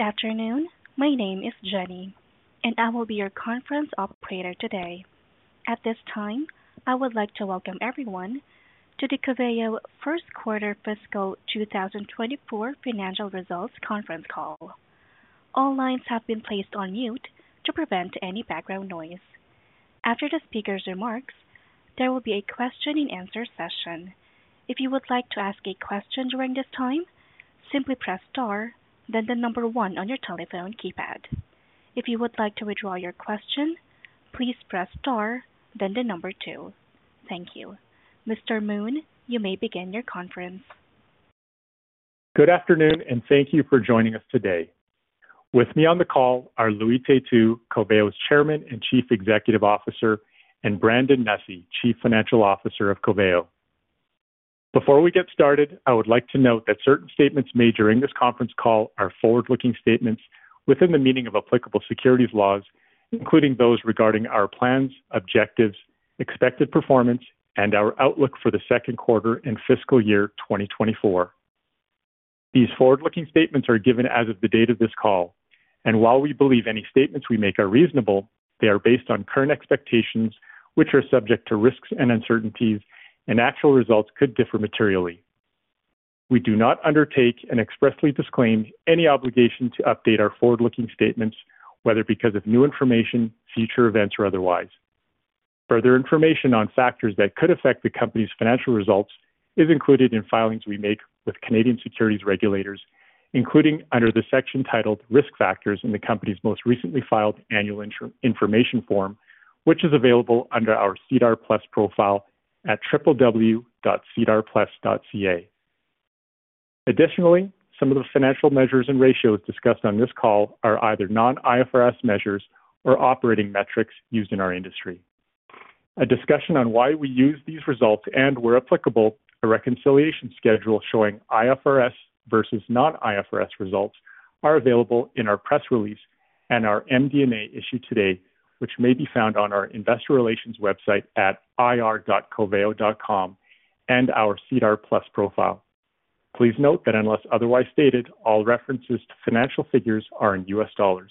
Good afternoon. My name is Jenny, and I will be your conference operator today. At this time, I would like to welcome everyone to the Coveo First Quarter Fiscal 2024 Financial Results Conference Call. All lines have been placed on mute to prevent any background noise. After the speaker's remarks, there will be a question-and-answer session. If you would like to ask a question during this time, simply press Star, then the 1 on your telephone keypad. If you would like to withdraw your question, please press Star, then the 2. Thank you. Mr. Moon, you may begin your conference Good afternoon, and thank you for joining us today. With me on the call are Louis Têtu, Coveo's Chairman and Chief Executive Officer, and Brandon Nussey, Chief Financial Officer of Coveo. Before we get started, I would like to note that certain statements made during this conference call are forward-looking statements within the meaning of applicable securities laws, including those regarding our plans, objectives, expected performance, and our outlook for the second quarter and fiscal year 2024. These forward-looking statements are given as of the date of this call, and while we believe any statements we make are reasonable, they are based on current expectations, which are subject to risks and uncertainties, and actual results could differ materially. We do not undertake and expressly disclaim any obligation to update our forward-looking statements, whether because of new information, future events, or otherwise. Further information on factors that could affect the company's financial results is included in filings we make with Canadian securities regulators, including under the section titled Risk Factors in the company's most recently filed annual information form, which is available under our SEDAR+ profile at www.sedarplus.ca. Additionally, some of the financial measures and ratios discussed on this call are either non-IFRS measures or operating metrics used in our industry. A discussion on why we use these results and, where applicable, a reconciliation schedule showing IFRS versus non-IFRS results are available in our press release and our MD&A issued today, which may be found on our investor relations website at ir.coveo.com and our SEDAR+ profile. Please note that unless otherwise stated, all references to financial figures are in US dollars.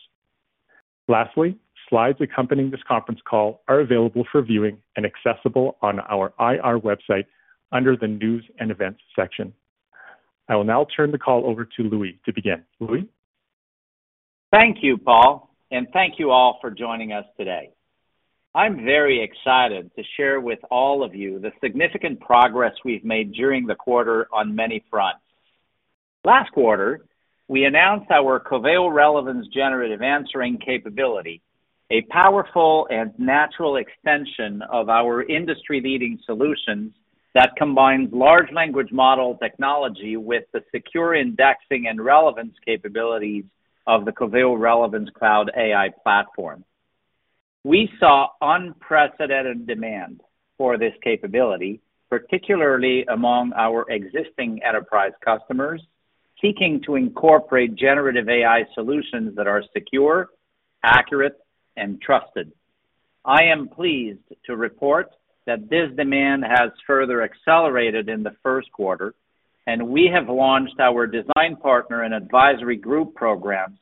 Lastly, slides accompanying this conference call are available for viewing and accessible on our IR website under the News and Events section. I will now turn the call over to Louis to begin. Louis? Thank you, Paul, and thank you all for joining us today. I'm very excited to share with all of you the significant progress we've made during the quarter on many fronts. Last quarter, we announced our Coveo Relevance Generative Answering capability, a powerful and natural extension of our industry-leading solutions that combines large language model technology with the secure indexing and relevance capabilities of the Coveo Relevance Cloud AI platform. We saw unprecedented demand for this capability, particularly among our existing enterprise customers, seeking to incorporate generative AI solutions that are secure, accurate, and trusted. I am pleased to report that this demand has further accelerated in the first quarter, and we have launched our design partner and advisory group programs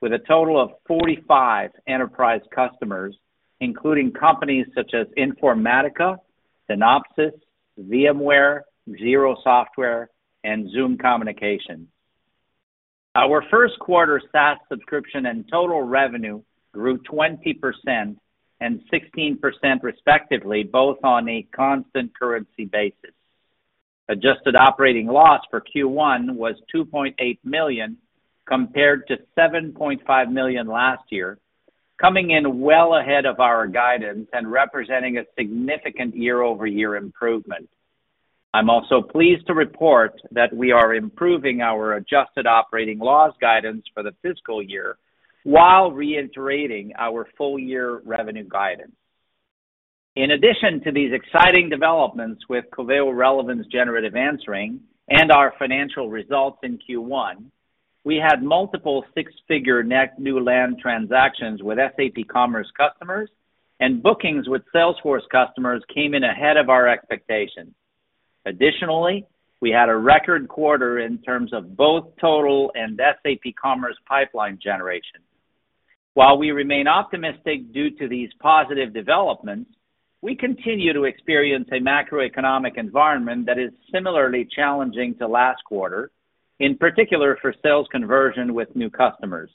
with a total of 45 enterprise customers, including companies such as Informatica, Synopsys, VMware, Xero Software, and Zoom Communications. Our first quarter SaaS subscription and total revenue grew 20% and 16%, respectively, both on a constant currency basis. Adjusted operating loss for Q1 was $2.8 million, compared to $7.5 million last year, coming in well ahead of our guidance and representing a significant year-over-year improvement. I'm also pleased to report that we are improving our adjusted operating loss guidance for the fiscal year while reiterating our full-year revenue guidance. In addition to these exciting developments with Coveo Relevance Generative Answering and our financial results in Q1, we had multiple six-figure net new land transactions with SAP Commerce customers, and bookings with Salesforce customers came in ahead of our expectations. Additionally, we had a record quarter in terms of both total and SAP Commerce pipeline generation. While we remain optimistic due to these positive developments, we continue to experience a macroeconomic environment that is similarly challenging to last quarter, in particular, for sales conversion with new customers.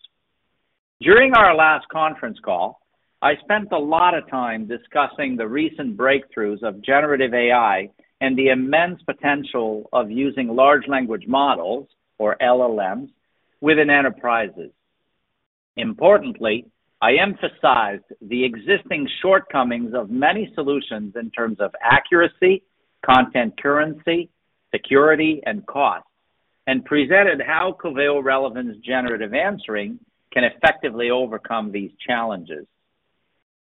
During our last conference call, I spent a lot of time discussing the recent breakthroughs of generative AI and the immense potential of using large language models, or LLMs, within enterprises. Importantly, I emphasized the existing shortcomings of many solutions in terms of accuracy, content currency, security, and cost, and presented how Coveo Relevance Generative Answering can effectively overcome these challenges.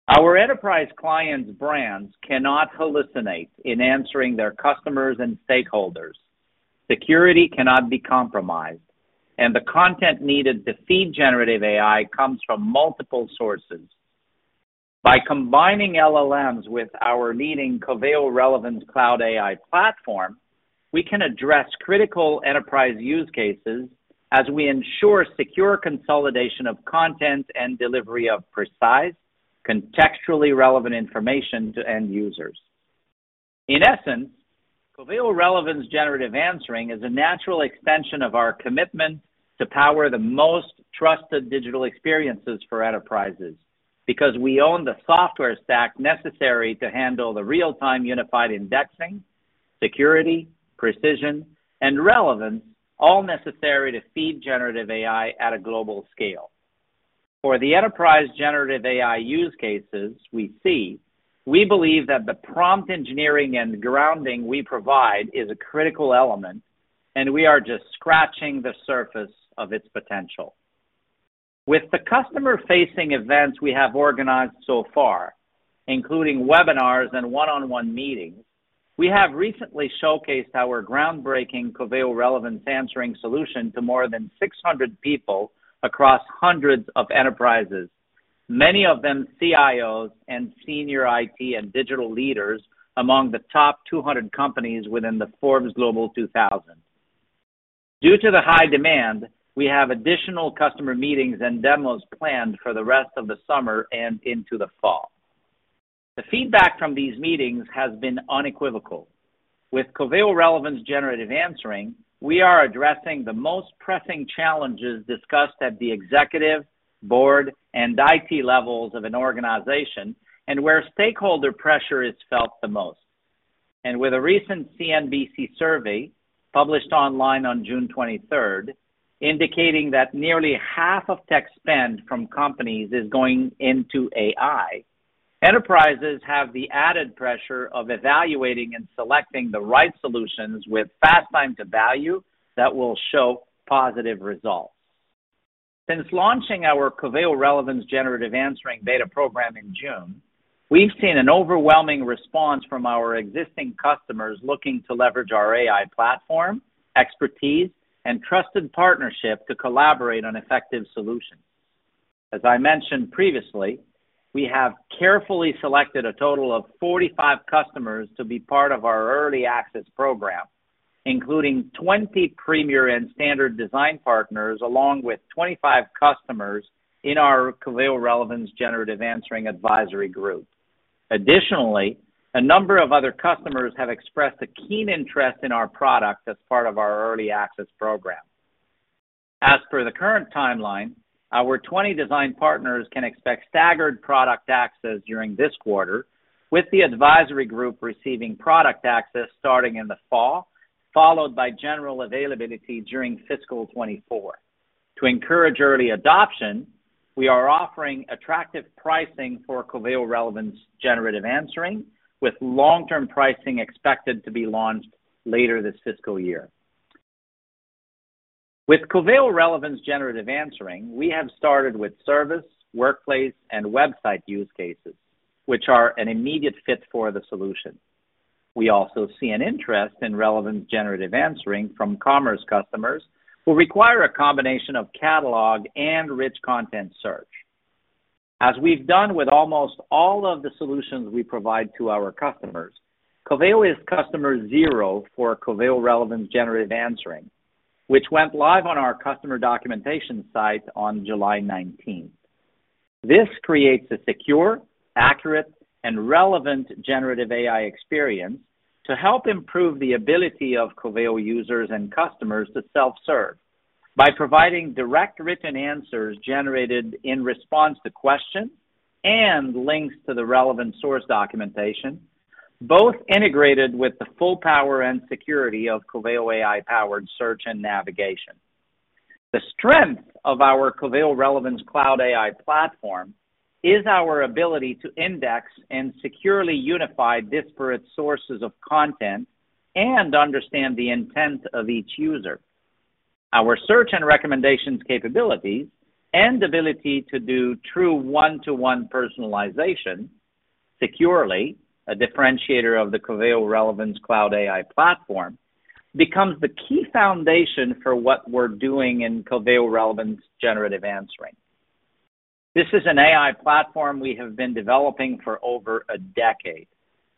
Our enterprise clients' brands cannot hallucinate in answering their customers and stakeholders. Security cannot be compromised, and the content needed to feed generative AI comes from multiple sources.... By combining LLMs with our leading Coveo Relevance Cloud AI platform, we can address critical enterprise use cases as we ensure secure consolidation of content and delivery of precise, contextually relevant information to end users. In essence, Coveo Relevance Generative Answering is a natural extension of our commitment to power the most trusted digital experiences for enterprises, because we own the software stack necessary to handle the real-time unified indexing, security, precision, and relevance, all necessary to feed generative AI at a global scale. For the enterprise generative AI use cases we see, we believe that the prompt engineering and grounding we provide is a critical element, and we are just scratching the surface of its potential. With the customer-facing events we have organized so far, including webinars and one-on-one meetings, we have recently showcased our groundbreaking Coveo Relevance Generative Answering solution to more than 600 people across hundreds of enterprises, many of them CIOs and senior IT and digital leaders among the top 200 companies within the Forbes Global 2000. Due to the high demand, we have additional customer meetings and demos planned for the rest of the summer and into the fall. The feedback from these meetings has been unequivocal. With Coveo Relevance Generative Answering, we are addressing the most pressing challenges discussed at the executive, board, and IT levels of an organization and where stakeholder pressure is felt the most. With a recent CNBC survey, published online on June 23rd, indicating that nearly half of tech spend from companies is going into AI, enterprises have the added pressure of evaluating and selecting the right solutions with fast time to value that will show positive results. Since launching our Coveo Relevance Generative Answering beta program in June, we've seen an overwhelming response from our existing customers looking to leverage our AI platform, expertise, and trusted partnership to collaborate on effective solutions. As I mentioned previously, we have carefully selected a total of 45 customers to be part of our early access program, including 20 premier and standard design partners, along with 25 customers in our Coveo Relevance Generative Answering advisory group. Additionally, a number of other customers have expressed a keen interest in our product as part of our early access program. As for the current timeline, our 20 design partners can expect staggered product access during this quarter, with the advisory group receiving product access starting in the fall, followed by general availability during fiscal 2024. To encourage early adoption, we are offering attractive pricing for Coveo Relevance Generative Answering, with long-term pricing expected to be launched later this fiscal year. With Coveo Relevance Generative Answering, we have started with service, workplace, and website use cases, which are an immediate fit for the solution. We also see an interest in Relevance Generative Answering from commerce customers, who require a combination of catalog and rich content search. As we've done with almost all of the solutions we provide to our customers, Coveo is customer zero for Coveo Relevance Generative Answering, which went live on our customer documentation site on July 19. This creates a secure, accurate, and relevant generative AI experience to help improve the ability of Coveo users and customers to self-serve by providing direct written answers generated in response to questions and links to the relevant source documentation, both integrated with the full power and security of Coveo AI-powered search and navigation. The strength of our Coveo Relevance Cloud AI platform is our ability to index and securely unify disparate sources of content and understand the intent of each user. Our search and recommendations capabilities, and ability to do true one-to-one personalization securely, a differentiator of the Coveo Relevance Cloud AI platform, becomes the key foundation for what we're doing in Coveo Relevance Generative Answering. This is an AI platform we have been developing for over a decade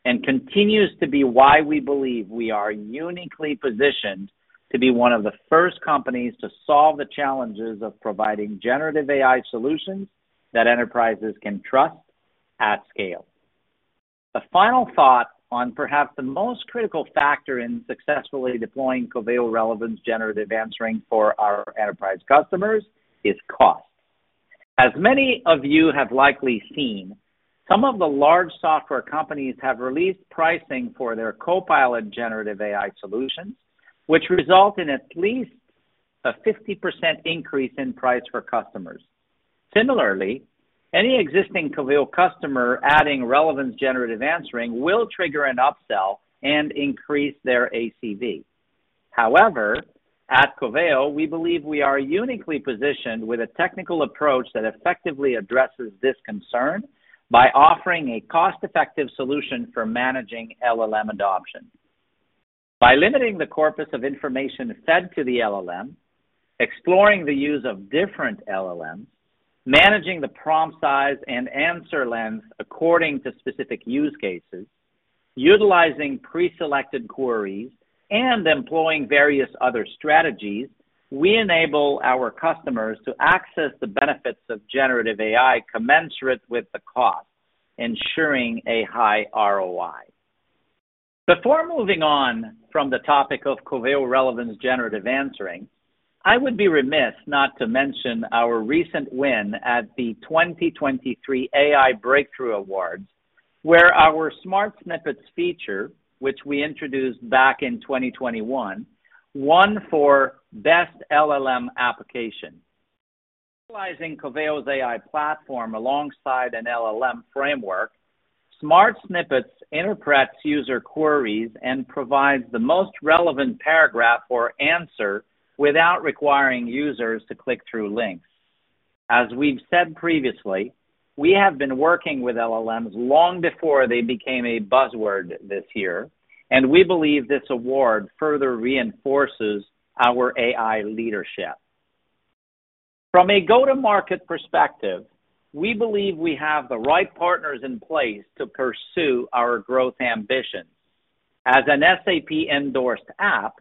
and continues to be why we believe we are uniquely positioned to be one of the first companies to solve the challenges of providing generative AI solutions that enterprises can trust at scale. A final thought on perhaps the most critical factor in successfully deploying Coveo Relevance Generative Answering for our enterprise customers is cost. As many of you have likely seen, some of the large software companies have released pricing for their copilot generative AI solutions, which result in at least a 50% increase in price for customers. Similarly, any existing Coveo customer adding Relevance Generative Answering will trigger an upsell and increase their ACV. However, at Coveo, we believe we are uniquely positioned with a technical approach that effectively addresses this concern by offering a cost-effective solution for managing LLM adoption.... By limiting the corpus of information fed to the LLM, exploring the use of different LLMs, managing the prompt size and answer length according to specific use cases, utilizing preselected queries, and employing various other strategies, we enable our customers to access the benefits of generative AI commensurate with the cost, ensuring a high ROI. Before moving on from the topic of Coveo Relevance Generative Answering, I would be remiss not to mention our recent win at the 2023 AI Breakthrough Awards, where our Smart Snippets feature, which we introduced back in 2021, won for Best LLM Application. Utilizing Coveo's AI platform alongside an LLM framework, Smart Snippets interprets user queries and provides the most relevant paragraph or answer without requiring users to click through links. As we've said previously, we have been working with LLMs long before they became a buzzword this year, and we believe this award further reinforces our AI leadership. From a go-to-market perspective, we believe we have the right partners in place to pursue our growth ambitions. As an SAP-endorsed app,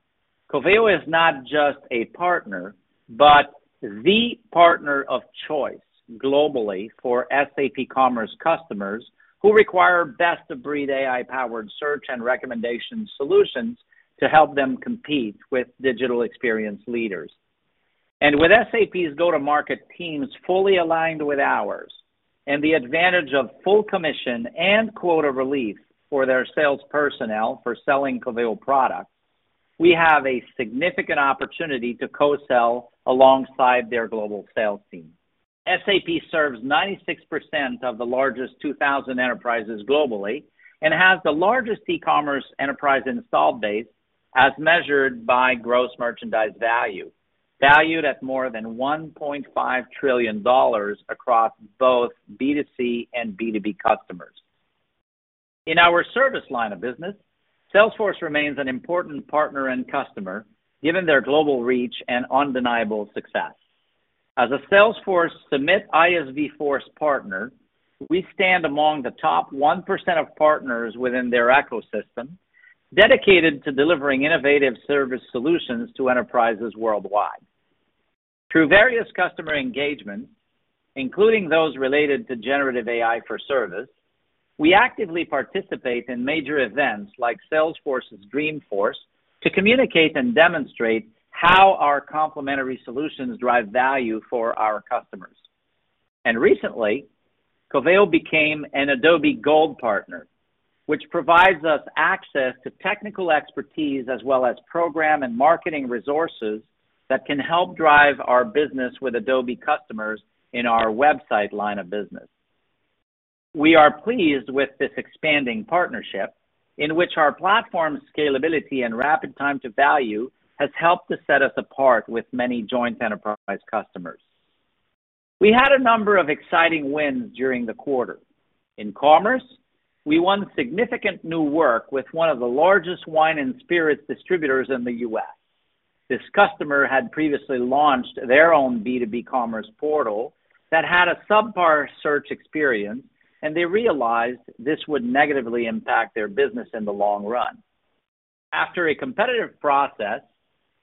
Coveo is not just a partner, but the partner of choice globally for SAP Commerce customers who require best-of-breed AI-powered search and recommendation solutions to help them compete with digital experience leaders. With SAP's go-to-market teams fully aligned with ours, and the advantage of full commission and quota relief for their sales personnel for selling Coveo products, we have a significant opportunity to co-sell alongside their global sales team. SAP serves 96% of the largest 2,000 enterprises globally and has the largest e-commerce enterprise installed base as measured by gross merchandise value, valued at more than $1.5 trillion across both B2C and B2B customers. In our service line of business, Salesforce remains an important partner and customer, given their global reach and undeniable success. As a Salesforce Summit ISVforce partner, we stand among the top 1% of partners within their ecosystem, dedicated to delivering innovative service solutions to enterprises worldwide. Through various customer engagements, including those related to generative AI for service, we actively participate in major events like Salesforce's Dreamforce, to communicate and demonstrate how our complementary solutions drive value for our customers. Recently, Coveo became an Adobe Gold partner, which provides us access to technical expertise as well as program and marketing resources that can help drive our business with Adobe customers in our website line of business. We are pleased with this expanding partnership, in which our platform scalability and rapid time to value has helped to set us apart with many joint enterprise customers. We had a number of exciting wins during the quarter. In commerce, we won significant new work with one of the largest wine and spirits distributors in the U.S. This customer had previously launched their own B2B commerce portal that had a subpar search experience, and they realized this would negatively impact their business in the long run. After a competitive process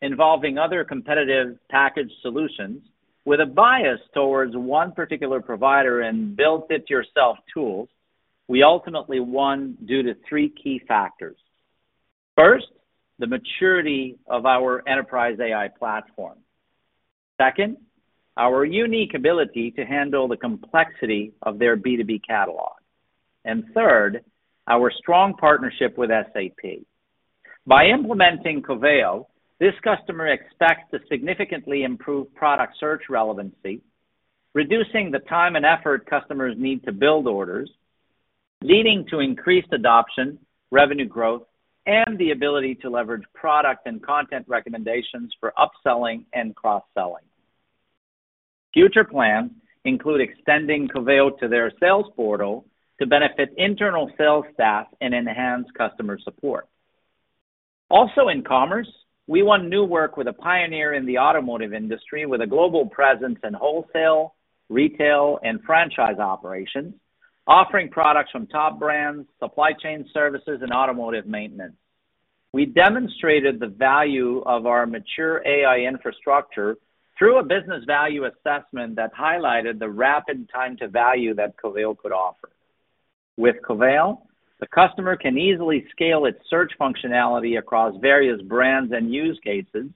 involving other competitive package solutions, with a bias towards one particular provider and build-it-yourself tools, we ultimately won due to three key factors. First, the maturity of our enterprise AI platform. Second, our unique ability to handle the complexity of their B2B catalog. And third, our strong partnership with SAP. By implementing Coveo, this customer expects to significantly improve product search relevancy, reducing the time and effort customers need to build orders, leading to increased adoption, revenue growth, and the ability to leverage product and content recommendations for upselling and cross-selling. Future plans include extending Coveo to their sales portal to benefit internal sales staff and enhance customer support. Also in commerce, we won new work with a pioneer in the automotive industry with a global presence in wholesale, retail, and franchise operations, offering products from top brands, supply chain services, and automotive maintenance. We demonstrated the value of our mature AI infrastructure through a business value assessment that highlighted the rapid time to value that Coveo could offer. With Coveo, the customer can easily scale its search functionality across various brands and use cases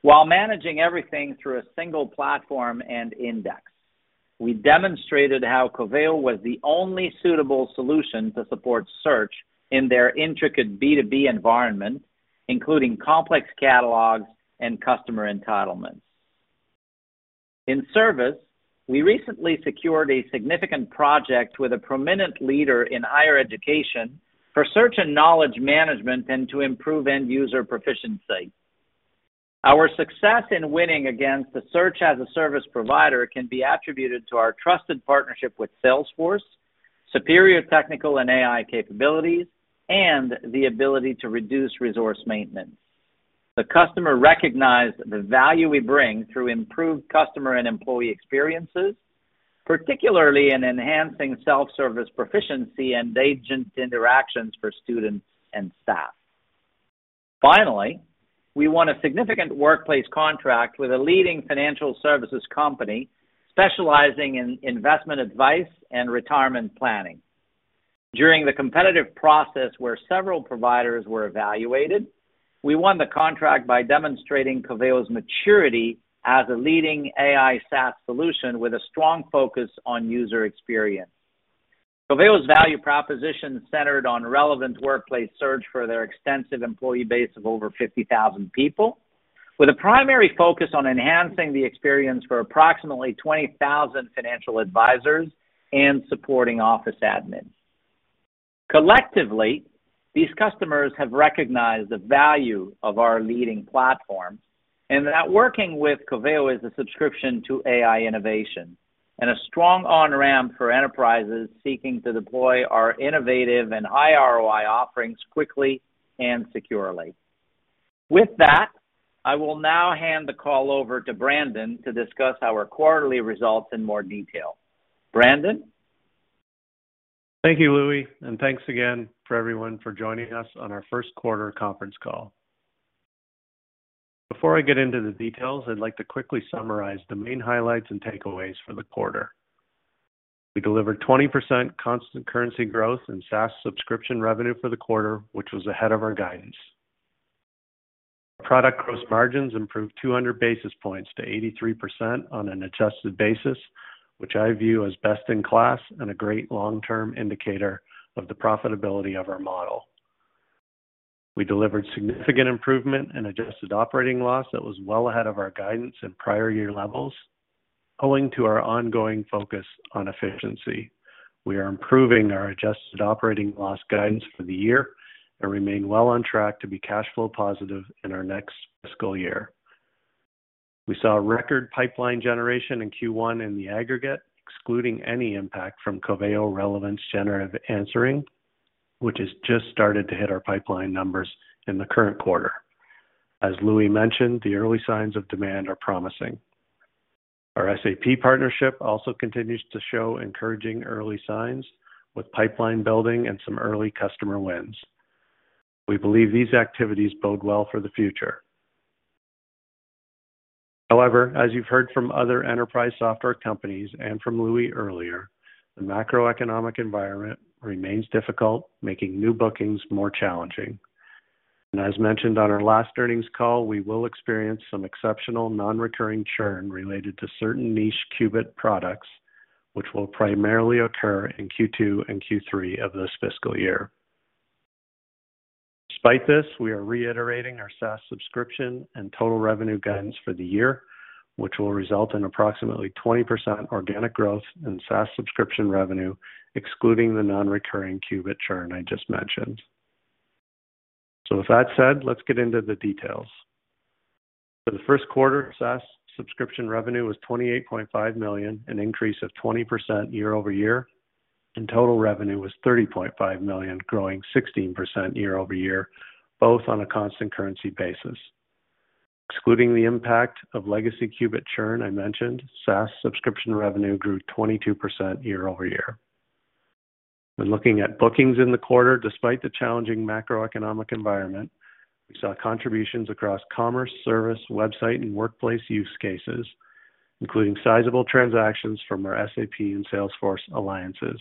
while managing everything through a single platform and index. We demonstrated how Coveo was the only suitable solution to support search in their intricate B2B environment, including complex catalogs and customer entitlements. In service, we recently secured a significant project with a prominent leader in higher education for search and knowledge management, and to improve end-user proficiency. Our success in winning against the search as a service provider can be attributed to our trusted partnership with Salesforce, superior technical and AI capabilities, and the ability to reduce resource maintenance. The customer recognized the value we bring through improved customer and employee experiences, particularly in enhancing self-service proficiency and agent interactions for students and staff. Finally, we won a significant workplace contract with a leading financial services company specializing in investment advice and retirement planning. During the competitive process, where several providers were evaluated, we won the contract by demonstrating Coveo's maturity as a leading AI SaaS solution with a strong focus on user experience. Coveo's value proposition centered on relevant workplace search for their extensive employee base of over 50,000 people, with a primary focus on enhancing the experience for approximately 20,000 financial advisors and supporting office admins. Collectively, these customers have recognized the value of our leading platform and that working with Coveo is a subscription to AI innovation and a strong on-ramp for enterprises seeking to deploy our innovative and high ROI offerings quickly and securely. With that, I will now hand the call over to Brandon to discuss our quarterly results in more detail. Brandon? Thank you, Louis, and thanks again for everyone for joining us on our first quarter conference call. Before I get into the details, I'd like to quickly summarize the main highlights and takeaways for the quarter. We delivered 20% constant currency growth in SaaS subscription revenue for the quarter, which was ahead of our guidance. Product gross margins improved 200 basis points to 83% on an adjusted basis, which I view as best in class and a great long-term indicator of the profitability of our model. We delivered significant improvement in adjusted operating loss that was well ahead of our guidance and prior year levels, owing to our ongoing focus on efficiency. We are improving our adjusted operating loss guidance for the year and remain well on track to be cash flow positive in our next fiscal year. We saw a record pipeline generation in Q1 in the aggregate, excluding any impact from Coveo Relevance Generative Answering, which has just started to hit our pipeline numbers in the current quarter. As Louis mentioned, the early signs of demand are promising. Our SAP partnership also continues to show encouraging early signs with pipeline building and some early customer wins. We believe these activities bode well for the future. However, as you've heard from other enterprise software companies and from Louis earlier, the macroeconomic environment remains difficult, making new bookings more challenging. As mentioned on our last earnings call, we will experience some exceptional non-recurring churn related to certain niche Qubit products, which will primarily occur in Q2 and Q3 of this fiscal year. Despite this, we are reiterating our SaaS subscription and total revenue guidance for the year, which will result in approximately 20% organic growth in SaaS subscription revenue, excluding the non-recurring Qubit churn I just mentioned. With that said, let's get into the details. For the first quarter, SaaS subscription revenue was $28.5 million, an increase of 20% year-over-year, and total revenue was $30.5 million, growing 16% year-over-year, both on a constant currency basis. Excluding the impact of legacy Qubit churn I mentioned, SaaS subscription revenue grew 22% year-over-year. When looking at bookings in the quarter, despite the challenging macroeconomic environment, we saw contributions across commerce, service, website, and workplace use cases, including sizable transactions from our SAP and Salesforce alliances.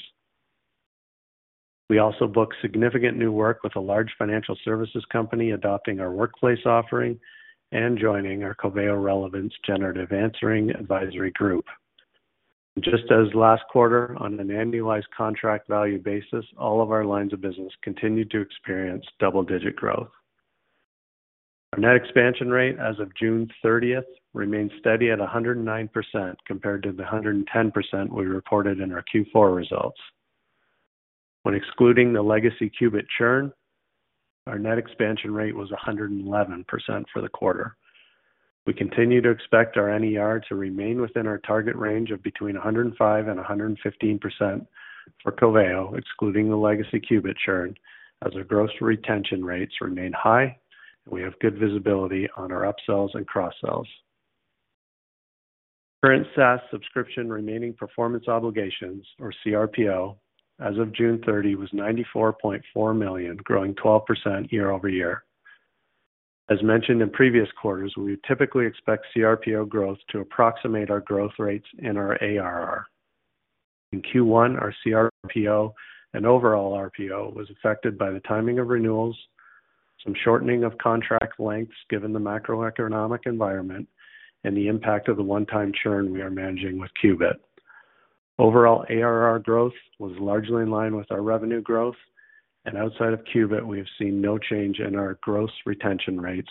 We also booked significant new work with a large financial services company adopting our workplace offering and joining our Coveo Relevance Generative Answering advisory group. Just as last quarter, on an annualized contract value basis, all of our lines of business continued to experience double-digit growth. Our net expansion rate as of June 30th remains steady at 109%, compared to the 110% we reported in our Q4 results. When excluding the legacy Qubit churn, our net expansion rate was 111% for the quarter. We continue to expect our NER to remain within our target range of between 105% and 115% for Coveo, excluding the legacy Qubit churn, as our gross retention rates remain high and we have good visibility on our upsells and cross-sells. Current SaaS subscription remaining performance obligations, or CRPO, as of June 30, was $94.4 million, growing 12% year-over-year. As mentioned in previous quarters, we typically expect CRPO growth to approximate our growth rates in our ARR. In Q1, our CRPO and overall RPO was affected by the timing of renewals, some shortening of contract lengths given the macroeconomic environment, and the impact of the one-time churn we are managing with Qubit. Overall, ARR growth was largely in line with our revenue growth, and outside of Qubit, we have seen no change in our gross retention rates,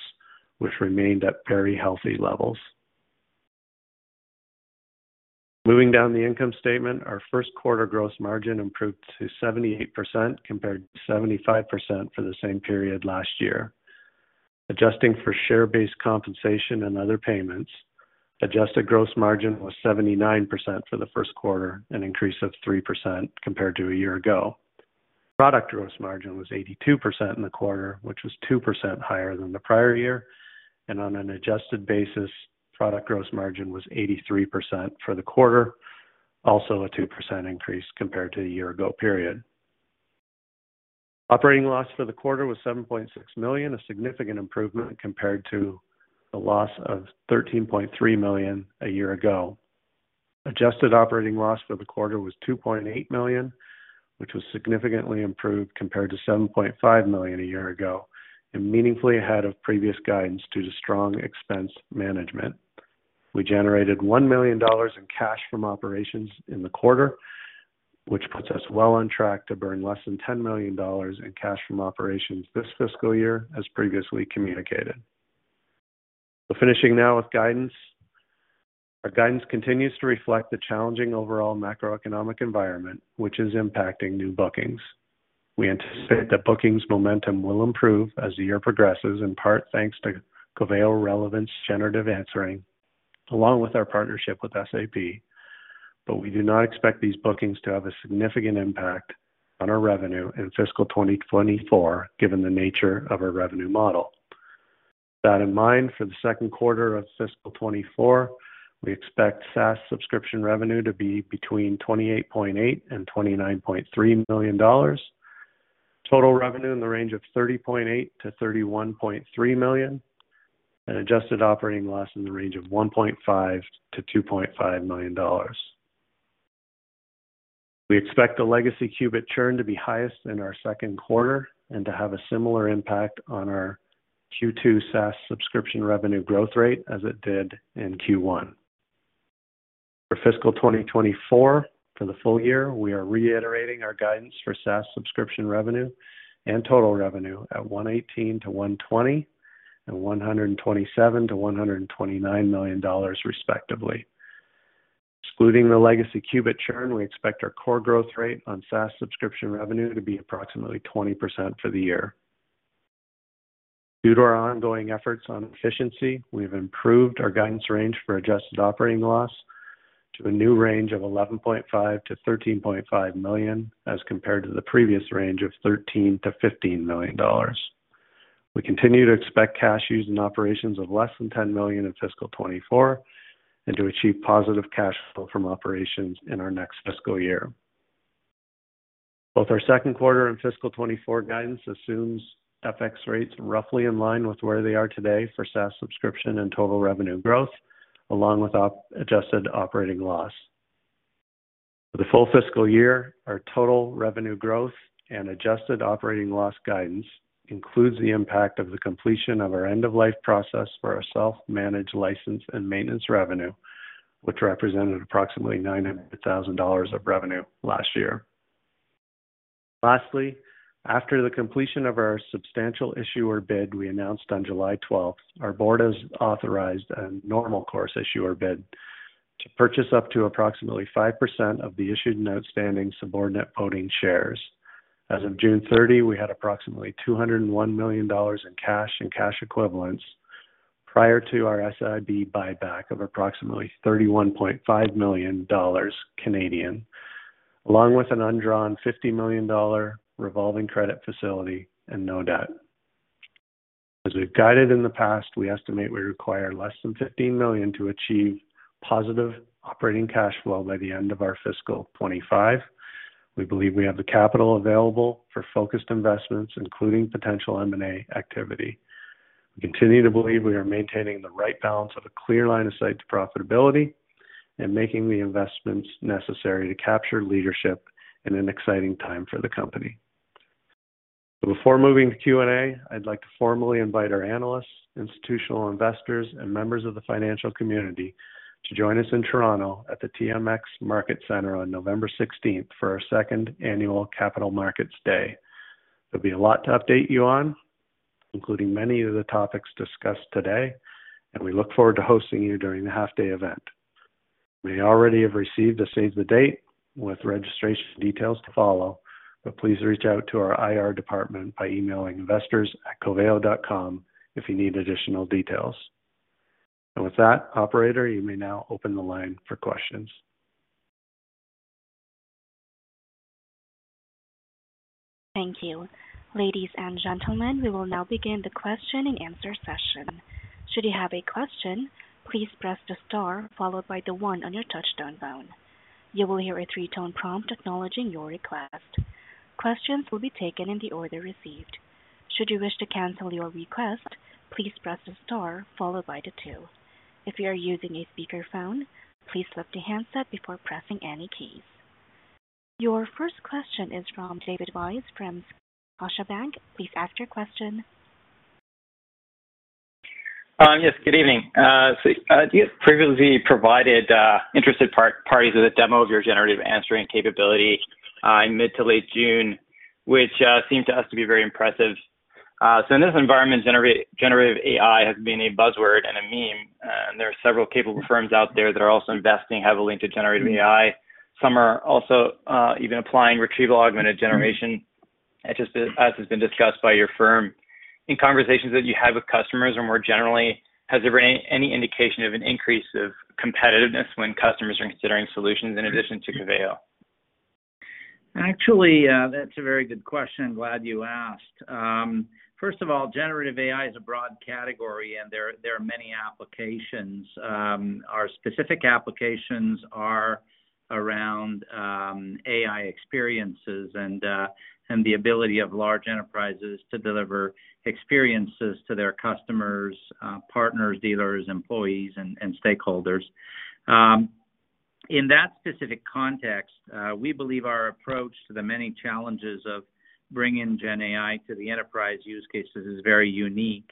which remained at very healthy levels....Moving down the income statement, our first quarter gross margin improved to 78%, compared to 75% for the same period last year. Adjusting for share-based compensation and other payments, adjusted gross margin was 79% for the first quarter, an increase of 3% compared to a year ago. Product gross margin was 82% in the quarter, which was 2% higher than the prior year, and on an adjusted basis, product gross margin was 83% for the quarter, also a 2% increase compared to the year ago period. Operating loss for the quarter was $7.6 million, a significant improvement compared to the loss of $13.3 million a year ago. Adjusted operating loss for the quarter was $2.8 million, which was significantly improved compared to $7.5 million a year ago and meaningfully ahead of previous guidance due to strong expense management. We generated $1 million in cash from operations in the quarter, which puts us well on track to burn less than $10 million in cash from operations this fiscal year, as previously communicated. Finishing now with guidance. Our guidance continues to reflect the challenging overall macroeconomic environment, which is impacting new bookings. We anticipate that bookings momentum will improve as the year progresses, in part thanks to Coveo Relevance Generative Answering, along with our partnership with SAP, but we do not expect these bookings to have a significant impact on our revenue in fiscal 2024, given the nature of our revenue model. With that in mind, for the second quarter of fiscal 2024, we expect SaaS subscription revenue to be between $28.8 million and $29.3 million. Total revenue in the range of $30.8 million-$31.3 million, and adjusted operating loss in the range of $1.5 million-$2.5 million. We expect the legacy Qubit churn to be highest in our second quarter and to have a similar impact on our Q2 SaaS subscription revenue growth rate as it did in Q1. For fiscal 2024, for the full year, we are reiterating our guidance for SaaS subscription revenue and total revenue at $118 million-$120 million and $127 million-$129 million, respectively. Excluding the legacy Qubit churn, we expect our core growth rate on SaaS subscription revenue to be approximately 20% for the year. Due to our ongoing efforts on efficiency, we've improved our guidance range for adjusted operating loss to a new range of $11.5 million-$13.5 million, as compared to the previous range of $13 million-$15 million. We continue to expect cash use in operations of less than $10 million in fiscal 2024, and to achieve positive cash flow from operations in our next fiscal year. Both our second quarter and fiscal 2024 guidance assumes FX rates roughly in line with where they are today for SaaS, subscription and total revenue growth, along with adjusted operating loss. For the full fiscal year, our total revenue growth and adjusted operating loss guidance includes the impact of the completion of our end of life process for our self-managed license and maintenance revenue, which represented approximately $900,000 of revenue last year. Lastly, after the completion of our substantial issuer bid we announced on July 12, our board has authorized a normal course issuer bid to purchase up to approximately 5% of the issued and outstanding subordinate voting shares. As of June 30, we had approximately $201 million in cash and cash equivalents prior to our SIB buyback of approximately 31.5 million Canadian dollars, along with an undrawn $50 million revolving credit facility and no debt. As we've guided in the past, we estimate we require less than $15 million to achieve positive operating cash flow by the end of our fiscal 2025. We believe we have the capital available for focused investments, including potential M&A activity. We continue to believe we are maintaining the right balance of a clear line of sight to profitability and making the investments necessary to capture leadership in an exciting time for the company. Before moving to Q&A, I'd like to formally invite our analysts, institutional investors, and members of the financial community to join us in Toronto at the TMX Market Center on November 16 for our 2nd annual Capital Markets Day. There'll be a lot to update you on, including many of the topics discussed today, and we look forward to hosting you during the half-day event. You may already have received a save the date with registration details to follow, please reach out to our IR department by emailing investors@coveo.com if you need additional details. With that, operator, you may now open the line for questions. Thank you. Ladies and gentlemen, we will now begin the question and answer session. Should you have a question, please press the Star followed by the 1 on your touchtone phone. You will hear a three-tone prompt acknowledging your request. Questions will be taken in the order received. Should you wish to cancel your request, please press Star followed by the 2. If you are using a speakerphone, please lift the handset before pressing any keys. Your first question is from David Weiss from Scotiabank. Please ask your question. Yes, good evening. You previously provided interested parties with a demo of your generative answering capability in mid to late June, which seemed to us to be very impressive. In this environment, generative AI has been a buzzword and a meme. There are several capable firms out there that are also investing heavily into generative AI. Some are also even applying retrieval augmented generation, just as has been discussed by your firm. In conversations that you have with customers, or more generally, has there been any indication of an increase of competitiveness when customers are considering solutions in addition to Coveo? Actually, that's a very good question. Glad you asked. First of all, generative AI is a broad category, and there, there are many applications. Our specific applications are around AI experiences and the ability of large enterprises to deliver experiences to their customers, partners, dealers, employees, and stakeholders. In that specific context, we believe our approach to the many challenges of bringing Gen AI to the enterprise use cases is very unique.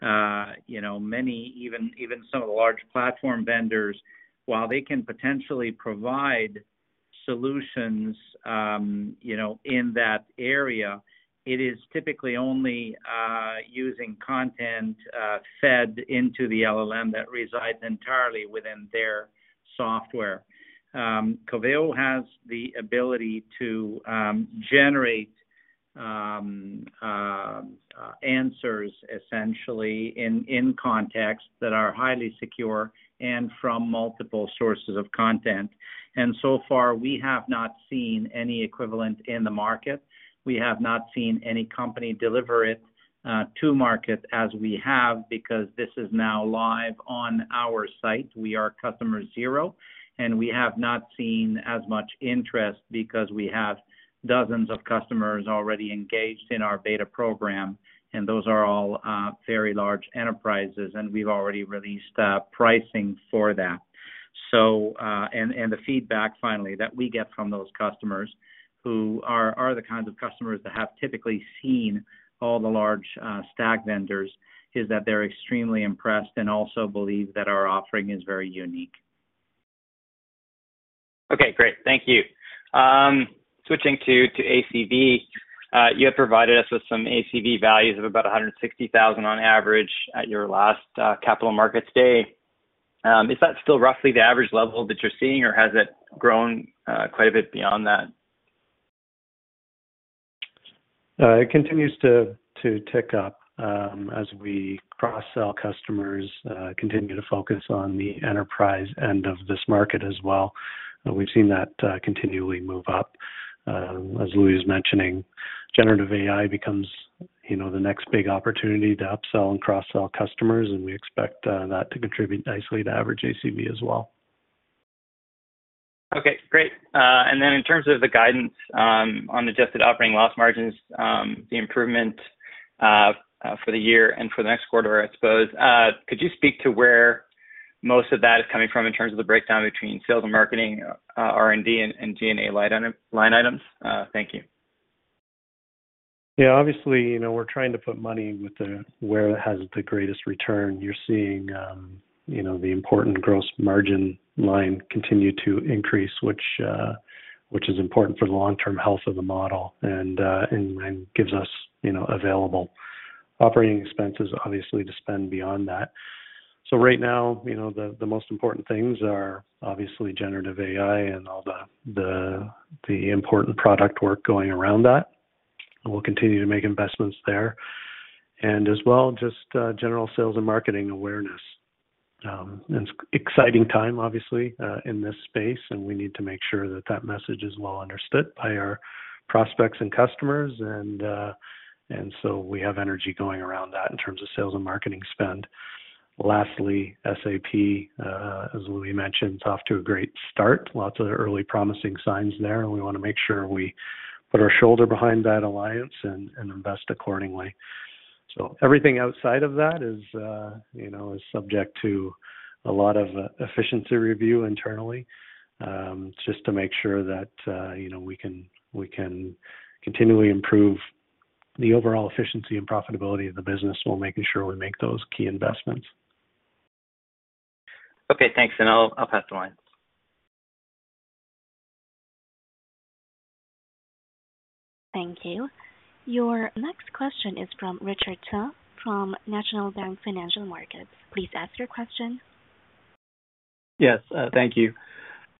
You know, many, even, even some of the large platform vendors, while they can potentially provide solutions, you know, in that area, it is typically only using content fed into the LLM that resides entirely within their software. Coveo has the ability to generate answers essentially in context that are highly secure and from multiple sources of content. So far, we have not seen any equivalent in the market. We have not seen any company deliver it to market as we have, because this is now live on our site. We are customer zero, and we have not seen as much interest because we have dozens of customers already engaged in our beta program, and those are all very large enterprises, and we've already released pricing for that. And, and the feedback, finally, that we get from those customers, who are, are the kinds of customers that have typically seen all the large stack vendors, is that they're extremely impressed and also believe that our offering is very unique. Okay, great. Thank you. Switching to ACV, you had provided us with some ACV values of about $160,000 on average at your last capital markets day. Is that still roughly the average level that you're seeing, or has it grown quite a bit beyond that? It continues to, to tick up, as we cross-sell customers, continue to focus on the enterprise end of this market as well. We've seen that continually move up. As Louis was mentioning, generative AI becomes, you know, the next big opportunity to upsell and cross-sell customers, and we expect that to contribute nicely to average ACV as well. Okay, great. In terms of the guidance, on adjusted operating loss margins, the improvement for the year and for the next quarter, I suppose, could you speak to where most of that is coming from in terms of the breakdown between sales and marketing, R&D and G&A line item, line items? Thank you. Yeah, obviously, you know, we're trying to put money with where it has the greatest return. You're seeing, you know, the important gross margin line continue to increase, which is important for the long-term health of the model and, and gives us, you know, available operating expenses, obviously, to spend beyond that. Right now, you know, the most important things are obviously generative AI and all the important product work going around that. We'll continue to make investments there. As well, just general sales and marketing awareness. It's exciting time, obviously, in this space, and we need to make sure that that message is well understood by our prospects and customers, and so we have energy going around that in terms of sales and marketing spend. Lastly, SAP, as Louis mentioned, is off to a great start. Lots of early promising signs there, and we want to make sure we put our shoulder behind that alliance and, and invest accordingly. Everything outside of that is, you know, is subject to a lot of efficiency review internally, just to make sure that, you know, we can, we can continually improve the overall efficiency and profitability of the business while making sure we make those key investments. Okay, thanks, and I'll, I'll pass the line. Thank you. Your next question is from Richard Tse from National Bank Financial Markets. Please ask your question. Yes, thank you.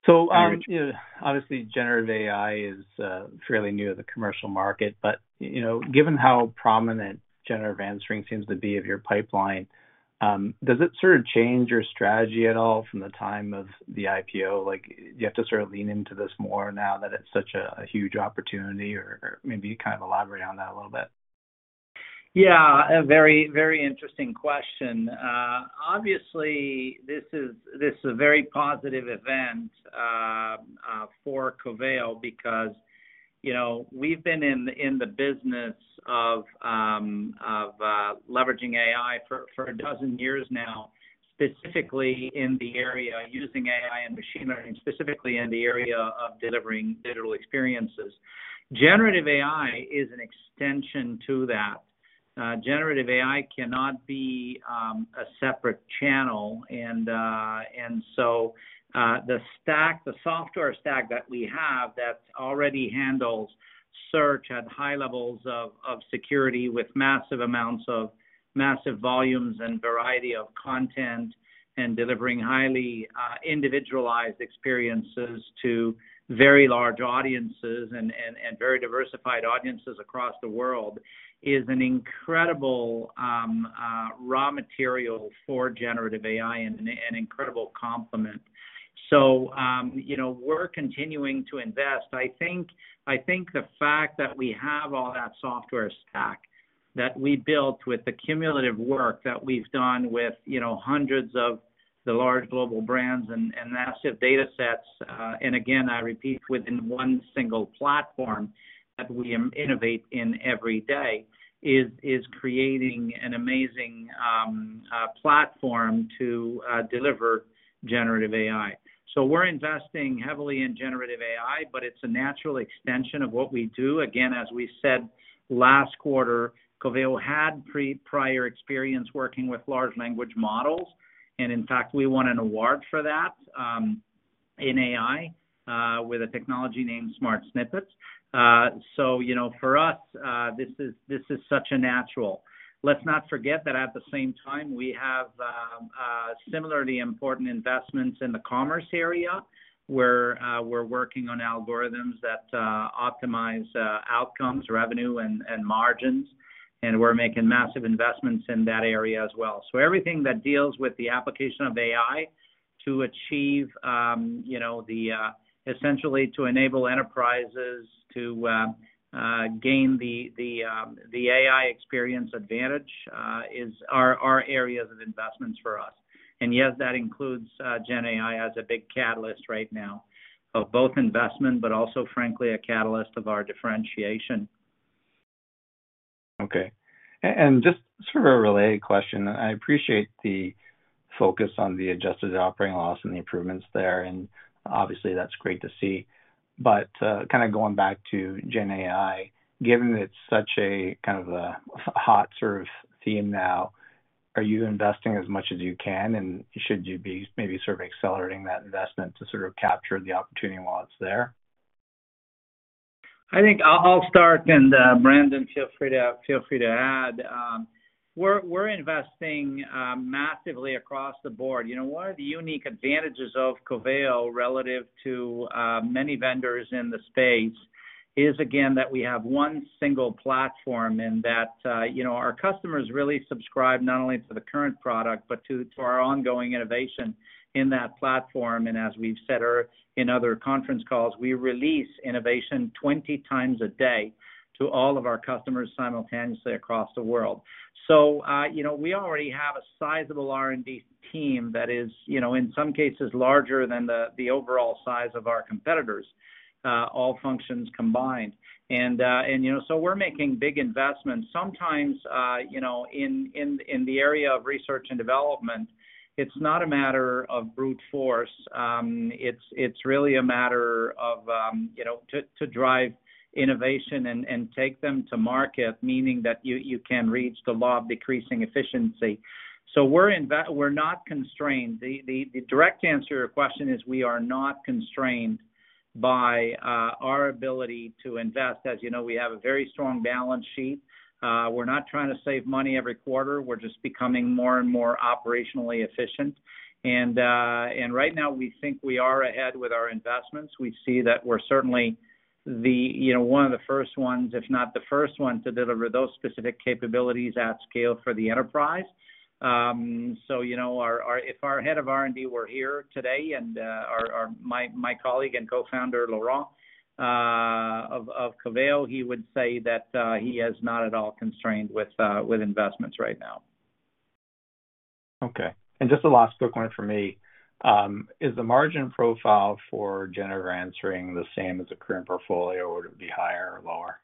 You know, obviously, generative AI is fairly new to the commercial market, but, you know, given how prominent generative answering seems to be of your pipeline, does it sort of change your strategy at all from the time of the IPO? Like, do you have to sort of lean into this more now that it's such a, a huge opportunity, or maybe kind of elaborate on that a little bit? Yeah, a very, very interesting question. Obviously, this is, this is a very positive event for Coveo because, you know, we've been in the business of leveraging AI for a dozen years now, specifically in the area using AI and machine learning, specifically in the area of delivering digital experiences. Generative AI is an extension to that. Generative AI cannot be a separate channel, and so the stack, the software stack that we have, that already handles search at high levels of security, with massive amounts of massive volumes and variety of content, and delivering highly individualized experiences to very large audiences and very diversified audiences across the world, is an incredible raw material for generative AI and an incredible complement. You know, we're continuing to invest. I think, I think the fact that we have all that software stack that we built with the cumulative work that we've done with, you know, hundreds of the large global brands and, and massive datasets, and again, I repeat, within one single platform that we innovate in every day, is, is creating an amazing platform to deliver generative AI. We're investing heavily in generative AI, but it's a natural extension of what we do. Again, as we said last quarter, Coveo had prior experience working with large language models, and in fact, we won an award for that in AI with a technology named Smart Snippets. You know, for us, this is, this is such a natural. hat at the same time, we have similarly important investments in the commerce area, where we're working on algorithms that optimize outcomes, revenue, and margins, and we're making massive investments in that area as well. Everything that deals with the application of AI to achieve, you know, essentially to enable enterprises to gain the AI experience advantage, are areas of investments for us. And yes, that includes GenAI as a big catalyst right now of both investment, but also, frankly, a catalyst of our differentiation Okay. Just sort of a related question. I appreciate the focus on the adjusted operating loss and the improvements there, and obviously, that's great to see. Kind of going back to GenAI, given it's such a, kind of a hot sort of theme now, are you investing as much as you can? Should you be maybe sort of accelerating that investment to sort of capture the opportunity while it's there? I think I'll, I'll start, Brandon, feel free to, feel free to add. We're, we're investing massively across the board. You know, one of the unique advantages of Coveo, relative to many vendors in the space, is again, that we have one single platform, and that, you know, our customers really subscribe not only to the current product, but to, to our ongoing innovation in that platform. As we've said in other conference calls, we release innovation 20 times a day to all of our customers simultaneously across the world. You know, we already have a sizable R&D team that is, you know, in some cases larger than the, the overall size of our competitors', all functions combined. You know, so we're making big investments. Sometimes, you know, in, in, in the area of research and development, it's not a matter of brute force, it's, it's really a matter of, you know, to, to drive innovation and, and take them to market, meaning that you, you can reach the law of decreasing efficiency. We're invest- we're not constrained. The, the, the direct answer to your question is, we are not constrained by our ability to invest. As you know, we have a very strong balance sheet. We're not trying to save money every quarter, we're just becoming more and more operationally efficient. Right now we think we are ahead with our investments. We see that we're certainly the, you know, one of the first ones, if not the first one, to deliver those specific capabilities at scale for the enterprise. You know, our if our head of R&D were here today, and our my, my colleague and cofounder, Laurent, of Coveo, he would say that he is not at all constrained with investments right now. Okay. Just a last quick one for me. Is the margin profile for generative answering the same as the current portfolio, or would it be higher or lower?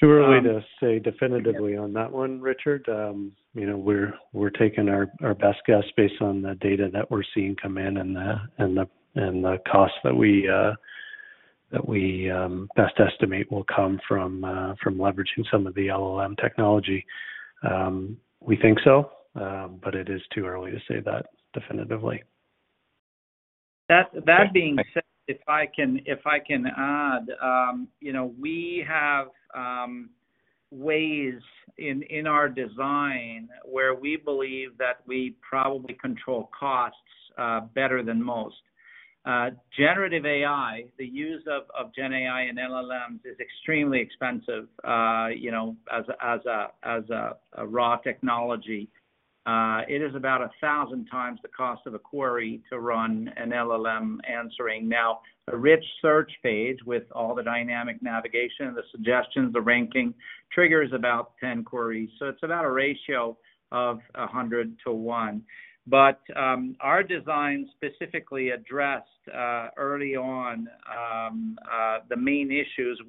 Too early to say definitively on that one, Richard. You know, we're, we're taking our, our best guess based on the data that we're seeing come in and the, and the, and the costs that we that we best estimate will come from from leveraging some of the LLM technology. We think so, but it is too early to say that definitively. That, that being said, if I can, if I can add, you know, we have ways in, in our design, where we believe that we probably control costs better than most. Generative AI, the use of Gen AI and LLMs is extremely expensive, you know, as a raw technology. It is about 1,000 times the cost of a query to run an LLM answering. Now, a rich search page, with all the dynamic navigation, the suggestions, the ranking, triggers about 10 queries, so it's about a ratio of 100 to 1. Our design specifically addressed early on the main issues.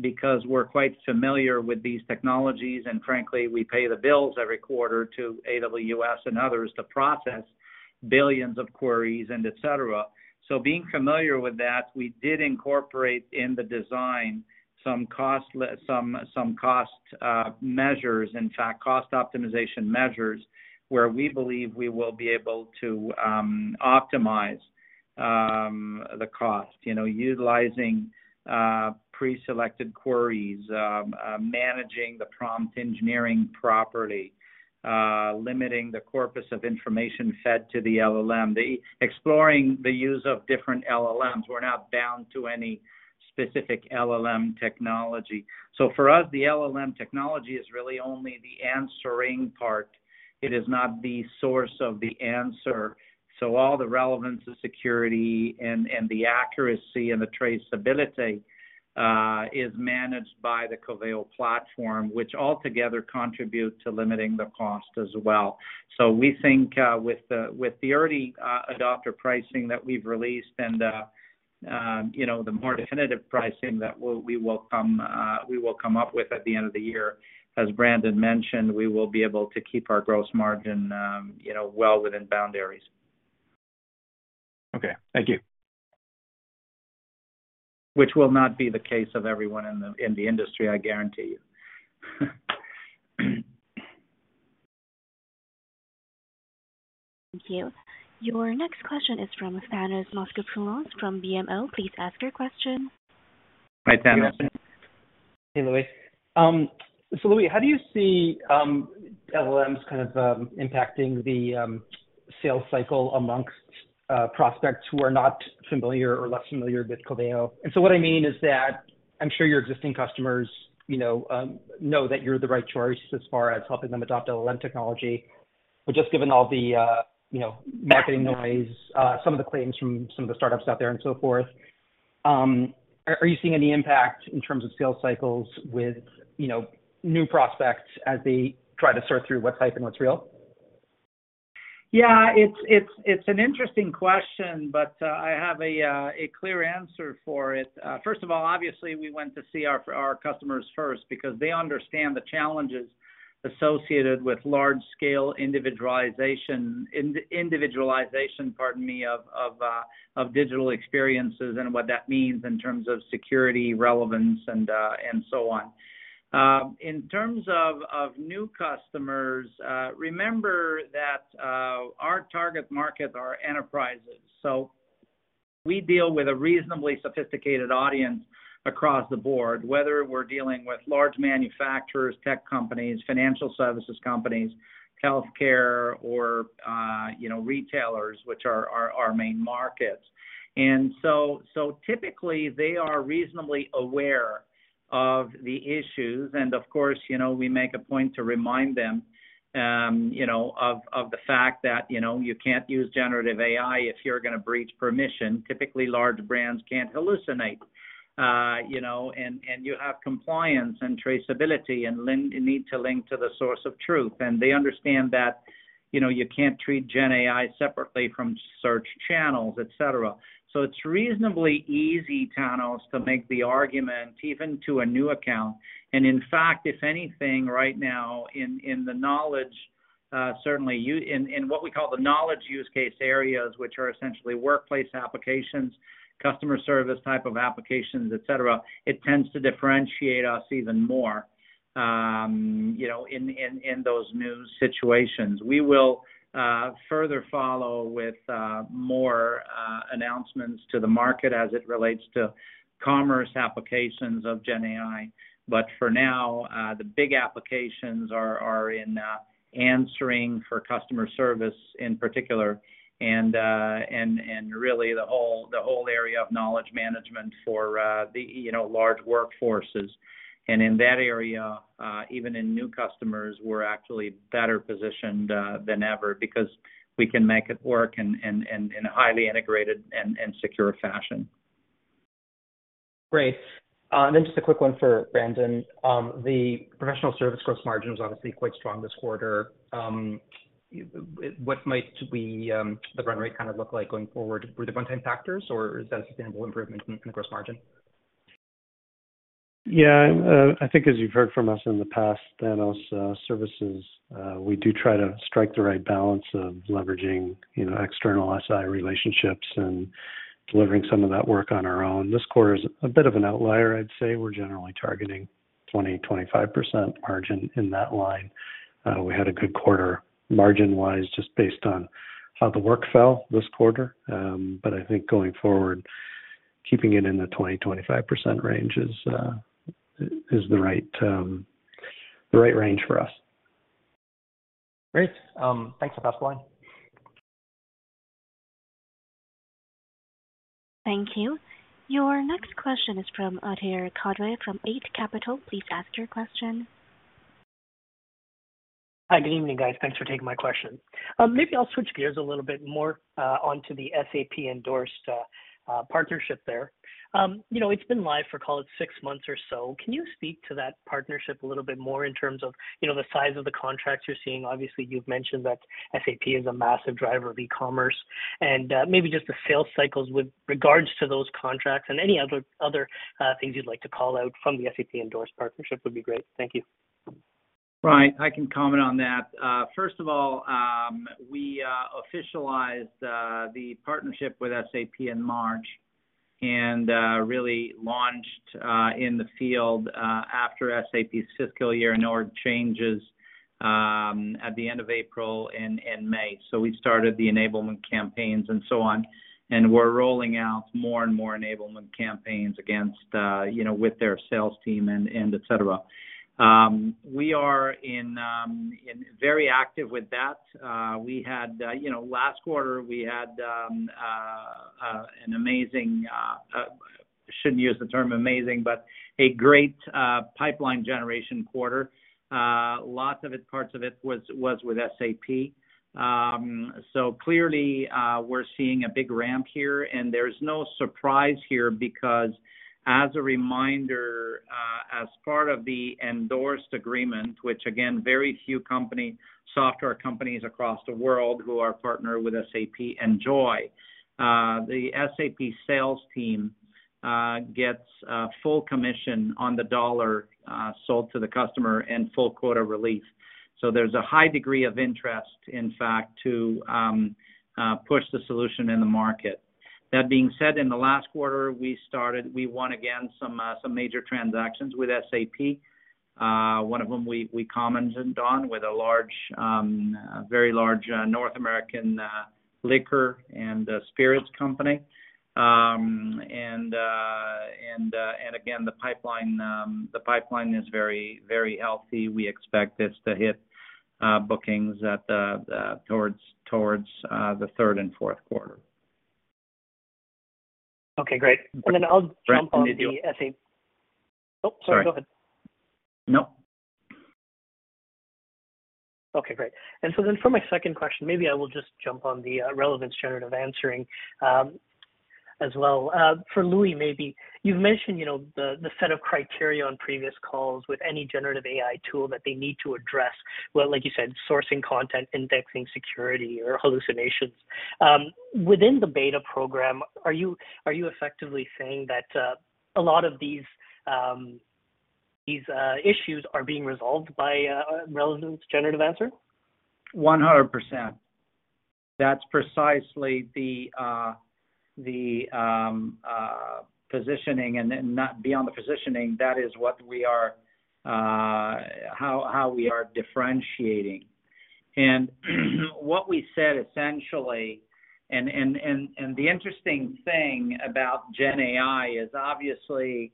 Because we're quite familiar with these technologies, and frankly, we pay the bills every quarter to AWS and others to process billions of queries and et cetera. Being familiar with that, we did incorporate in the design some cost measures, in fact, cost optimization measures, where we believe we will be able to optimize the cost. You know, utilizing preselected queries, managing the prompt engineering property, limiting the corpus of information fed to the LLM, exploring the use of different LLMs. We're not bound to any specific LLM technology. For us, the LLM technology is really only the answering part. It is not the source of the answer. All the relevance, the security, and the accuracy and the traceability is managed by the Coveo platform, which altogether contributes to limiting the cost as well. We think, with the, with the early, adopter pricing that we've released and, you know, the more definitive pricing that we will come, we will come up with at the end of the year, as Brandon mentioned, we will be able to keep our gross margin, you know, well within boundaries. Okay, thank you. Which will not be the case of everyone in the, in the industry, I guarantee you. Thank you. Your next question is from Thanos Moschopoulos from BMO. Please ask your question. Hi, Thanos. Hey, Louis. Louis, how do you see LLMs kind of impacting the sales cycle amongst prospects who are not familiar or less familiar with Coveo? What I mean is that I'm sure your existing customers, you know, know that you're the right choice as far as helping them adopt LLM technology. Just given all the, you know, marketing noise, some of the claims from some of the startups out there and so forth, are, are you seeing any impact in terms of sales cycles with, you know, new prospects as they try to sort through what's hype and what's real? Yeah, it's, it's, it's an interesting question, but I have a clear answer for it. First of all, obviously, we went to see our customers first because they understand the challenges associated with large-scale individualization, individualization, pardon me, of digital experiences and what that means in terms of security, relevance, and so on. In terms of new customers, remember that our target markets are enterprises, so we deal with a reasonably sophisticated audience across the board, whether we're dealing with large manufacturers, tech companies, financial services companies, healthcare, or, you know, retailers, which are our main markets. Typically, they are reasonably aware of the issues, and of course, you know, we make a point to remind them, you know, of the fact that, you know, you can't use generative AI if you're gonna breach permission. Typically, large brands can't hallucinate, you know, and you have compliance and traceability and need to link to the source of truth, and they understand that, you know, you can't treat GenAI separately from search channels, et cetera. It's reasonably easy, Thanos, to make the argument, even to a new account, and in fact, if anything, right now in, in the knowledge, certainly in what we call the knowledge use case areas, which are essentially workplace applications, customer service type of applications, et cetera, it tends to differentiate us even more, you know, in those new situations. We will further follow with more announcements to the market as it relates to commerce applications of GenAI. For now, the big applications are in answering for customer service in particular, and and really the whole, the whole area of knowledge management for the, you know, large workforces. In that area, even in new customers, we're actually better positioned than ever because we can make it work in a highly integrated and secure fashion. Great. Then just a quick one for Brandon. The professional service gross margin was obviously quite strong this quarter. What might we, the run rate kind of look like going forward? Were there one-time factors, or is that a sustainable improvement in, in the gross margin? Yeah, I think as you've heard from us in the past, Thanos, services, we do try to strike the right balance of leveraging, you know, external SI relationships and delivering some of that work on our own. This quarter is a bit of an outlier, I'd say. We're generally targeting 20%-25% margin in that line. We had a good quarter margin-wise, just based on how the work fell this quarter. I think going forward, keeping it in the 20%-25% range is the right, the right range for us. Great. thanks a bunch. Thank you. Your next question is from Adhir Kadve from Eight Capital. Please ask your question. Hi, good evening, guys. Thanks for taking my question. Maybe I'll switch gears a little bit more onto the SAP-endorsed partnership there. You know, it's been live for, call it, six months or so. Can you speak to that partnership a little bit more in terms of, you know, the size of the contracts you're seeing? Obviously, you've mentioned that SAP is a massive driver of e-commerce, and maybe just the sales cycles with regards to those contracts and any other, other things you'd like to call out from the SAP-endorsed partnership would be great. Thank you. Right, I can comment on that. First of all, we officialized the partnership with SAP in March, and really launched in the field after SAP's fiscal year and order changes at the end of April and, and May. We started the enablement campaigns and so on, and we're rolling out more and more enablement campaigns against, you know, with their sales team and, and etc. We are in very active with that. We had, you know, last quarter, we had an amazing, shouldn't use the term amazing, but a great pipeline generation quarter. Lots of it, parts of it was, was with SAP. Clearly, we're seeing a big ramp here, and there's no surprise here because as a reminder, as part of the endorsed agreement, which again, very few software companies across the world who are partnered with SAP enjoy, the SAP sales team gets a full commission on the dollar sold to the customer and full quota relief. There's a high degree of interest, in fact, to push the solution in the market. That being said, in the last quarter, we won again some major transactions with SAP, one of them we commented on with a large, a very large, North American liquor and spirits company. Again, the pipeline, the pipeline is very, very healthy. We expect this to hit bookings towards the third and fourth quarter. Okay, great. Then I'll jump on the essay- Sorry. Oh, sorry. Go ahead. No. Okay, great. For my second question, maybe I will just jump on the Coveo Relevance Generative Answering as well. For Louis, maybe, you've mentioned, you know, the set of criteria on previous calls with any generative AI tool that they need to address, well, like you said, sourcing content, indexing, security, or hallucinations. Within the beta program, are you, are you effectively saying that a lot of these these issues are being resolved by Coveo Relevance Generative Answering? One hundred percent. That's precisely the positioning and then, not beyond the positioning, that is what we are, how, how we are differentiating. What we said, essentially, and, and, and, and the interesting thing about Gen AI is obviously,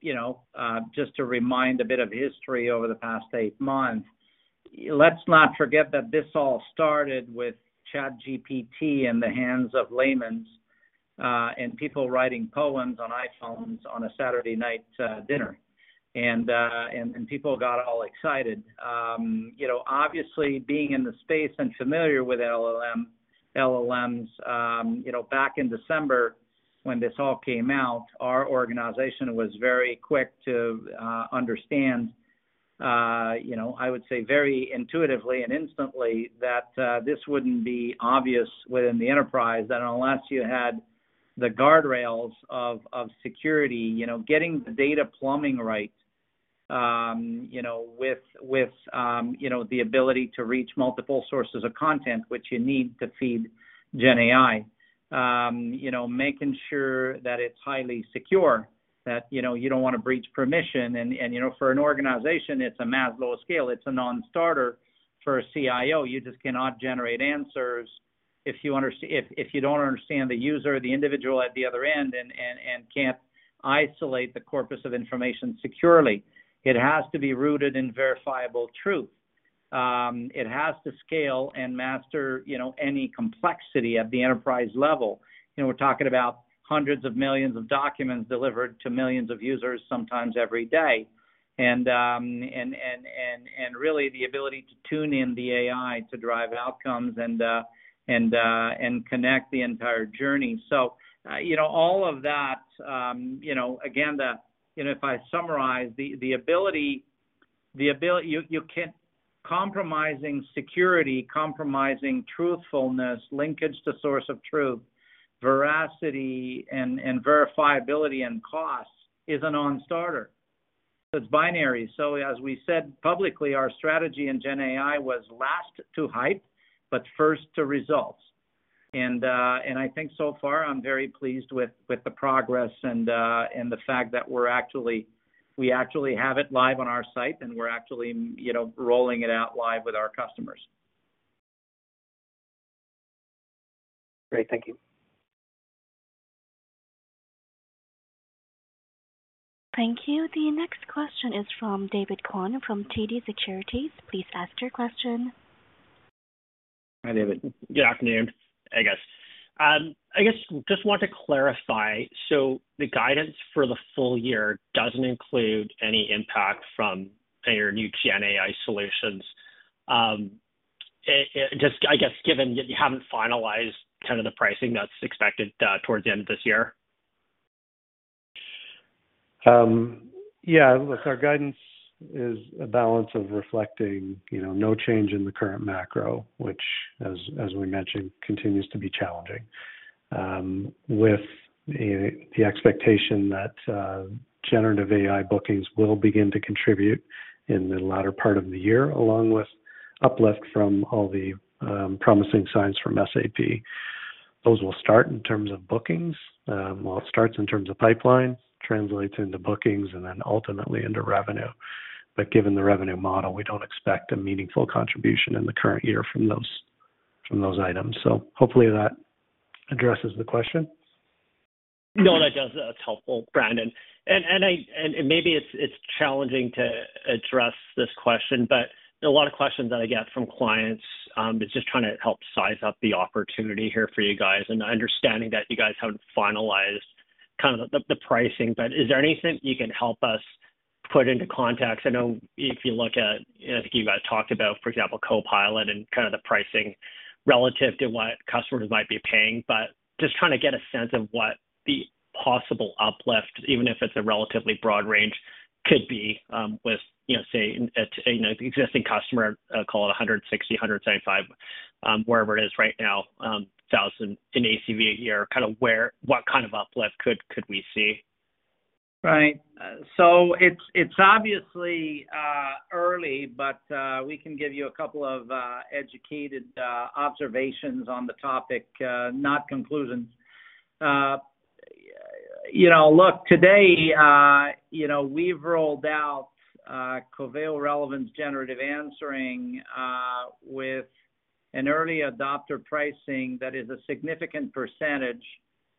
you know, just to remind a bit of history over the past eight months, let's not forget that this all started with ChatGPT in the hands of layman's, and people writing poems on iPhones on a Saturday night, dinner. People got all excited. You know, obviously, being in the space and familiar with LLMs, you know, back in December when this all came out, our organization was very quick to understand, you know, I would say very intuitively and instantly that this wouldn't be obvious within the enterprise. That unless you had the guardrails of, of security, you know, getting the data plumbing right, you know, with, with, you know, the ability to reach multiple sources of content, which you need to feed Gen AI. You know, making sure that it's highly secure, that, you know, you don't want to breach permission. For an organization, it's a mass low scale. It's a non-starter for a CIO. You just cannot generate answers if you don't understand the user, the individual at the other end, and can't isolate the corpus of information securely. It has to be rooted in verifiable truth. It has to scale and master, you know, any complexity at the enterprise level. You know, we're talking about hundreds of millions of documents delivered to millions of users, sometimes every day. Really the ability to tune in the AI to drive outcomes and connect the entire journey. You know, all of that, you know, again, and if I summarize, compromising security, compromising truthfulness, linkage to source of truth, veracity, and verifiability and cost is a non-starter. It's binary. As we said publicly, our strategy in Gen AI was last to hype, but first to results. I think so far, I'm very pleased with, with the progress and the fact that we actually have it live on our site, and we're actually, you know, rolling it out live with our customers. Great. Thank you. Thank you. The next question is from David Cohen from TD Securities. Please ask your question. Hi, David. Good afternoon, I guess. I guess just want to clarify, so the guidance for the full year doesn't include any impact from your new Gen AI solutions, just I guess, given that you haven't finalized kind of the pricing that's expected towards the end of this year? Yeah, look, our guidance is a balance of reflecting, you know, no change in the current macro, which as, as we mentioned, continues to be challenging.... with the, the expectation that generative AI bookings will begin to contribute in the latter part of the year, along with uplift from all the promising signs from SAP. Those will start in terms of bookings, well, it starts in terms of pipeline, translates into bookings, and then ultimately into revenue. Given the revenue model, we don't expect a meaningful contribution in the current year from those, from those items. Hopefully that addresses the question. No, that does. That's helpful, Brandon Nussey. I, and, and maybe it's, it's challenging to address this question, but a lot of questions that I get from clients, is just trying to help size up the opportunity here for you guys, and understanding that you guys haven't finalized kind of the, the pricing. Is there anything you can help us put into context? I know if you look at, I think you guys talked about, for example, Copilot and kind of the pricing relative to what customers might be paying, but just trying to get a sense of what the possible uplift, even if it's a relatively broad range, could be, with, you know, say, an existing customer, call it $160,000-$175,000, wherever it is right now, in ACV a year, what kind of uplift could, could we see? It's, it's obviously early, but we can give you a couple of educated observations on the topic, not conclusions. You know, look, today, you know, we've rolled out Coveo Relevance Generative Answering with an early adopter pricing that is a significant percentage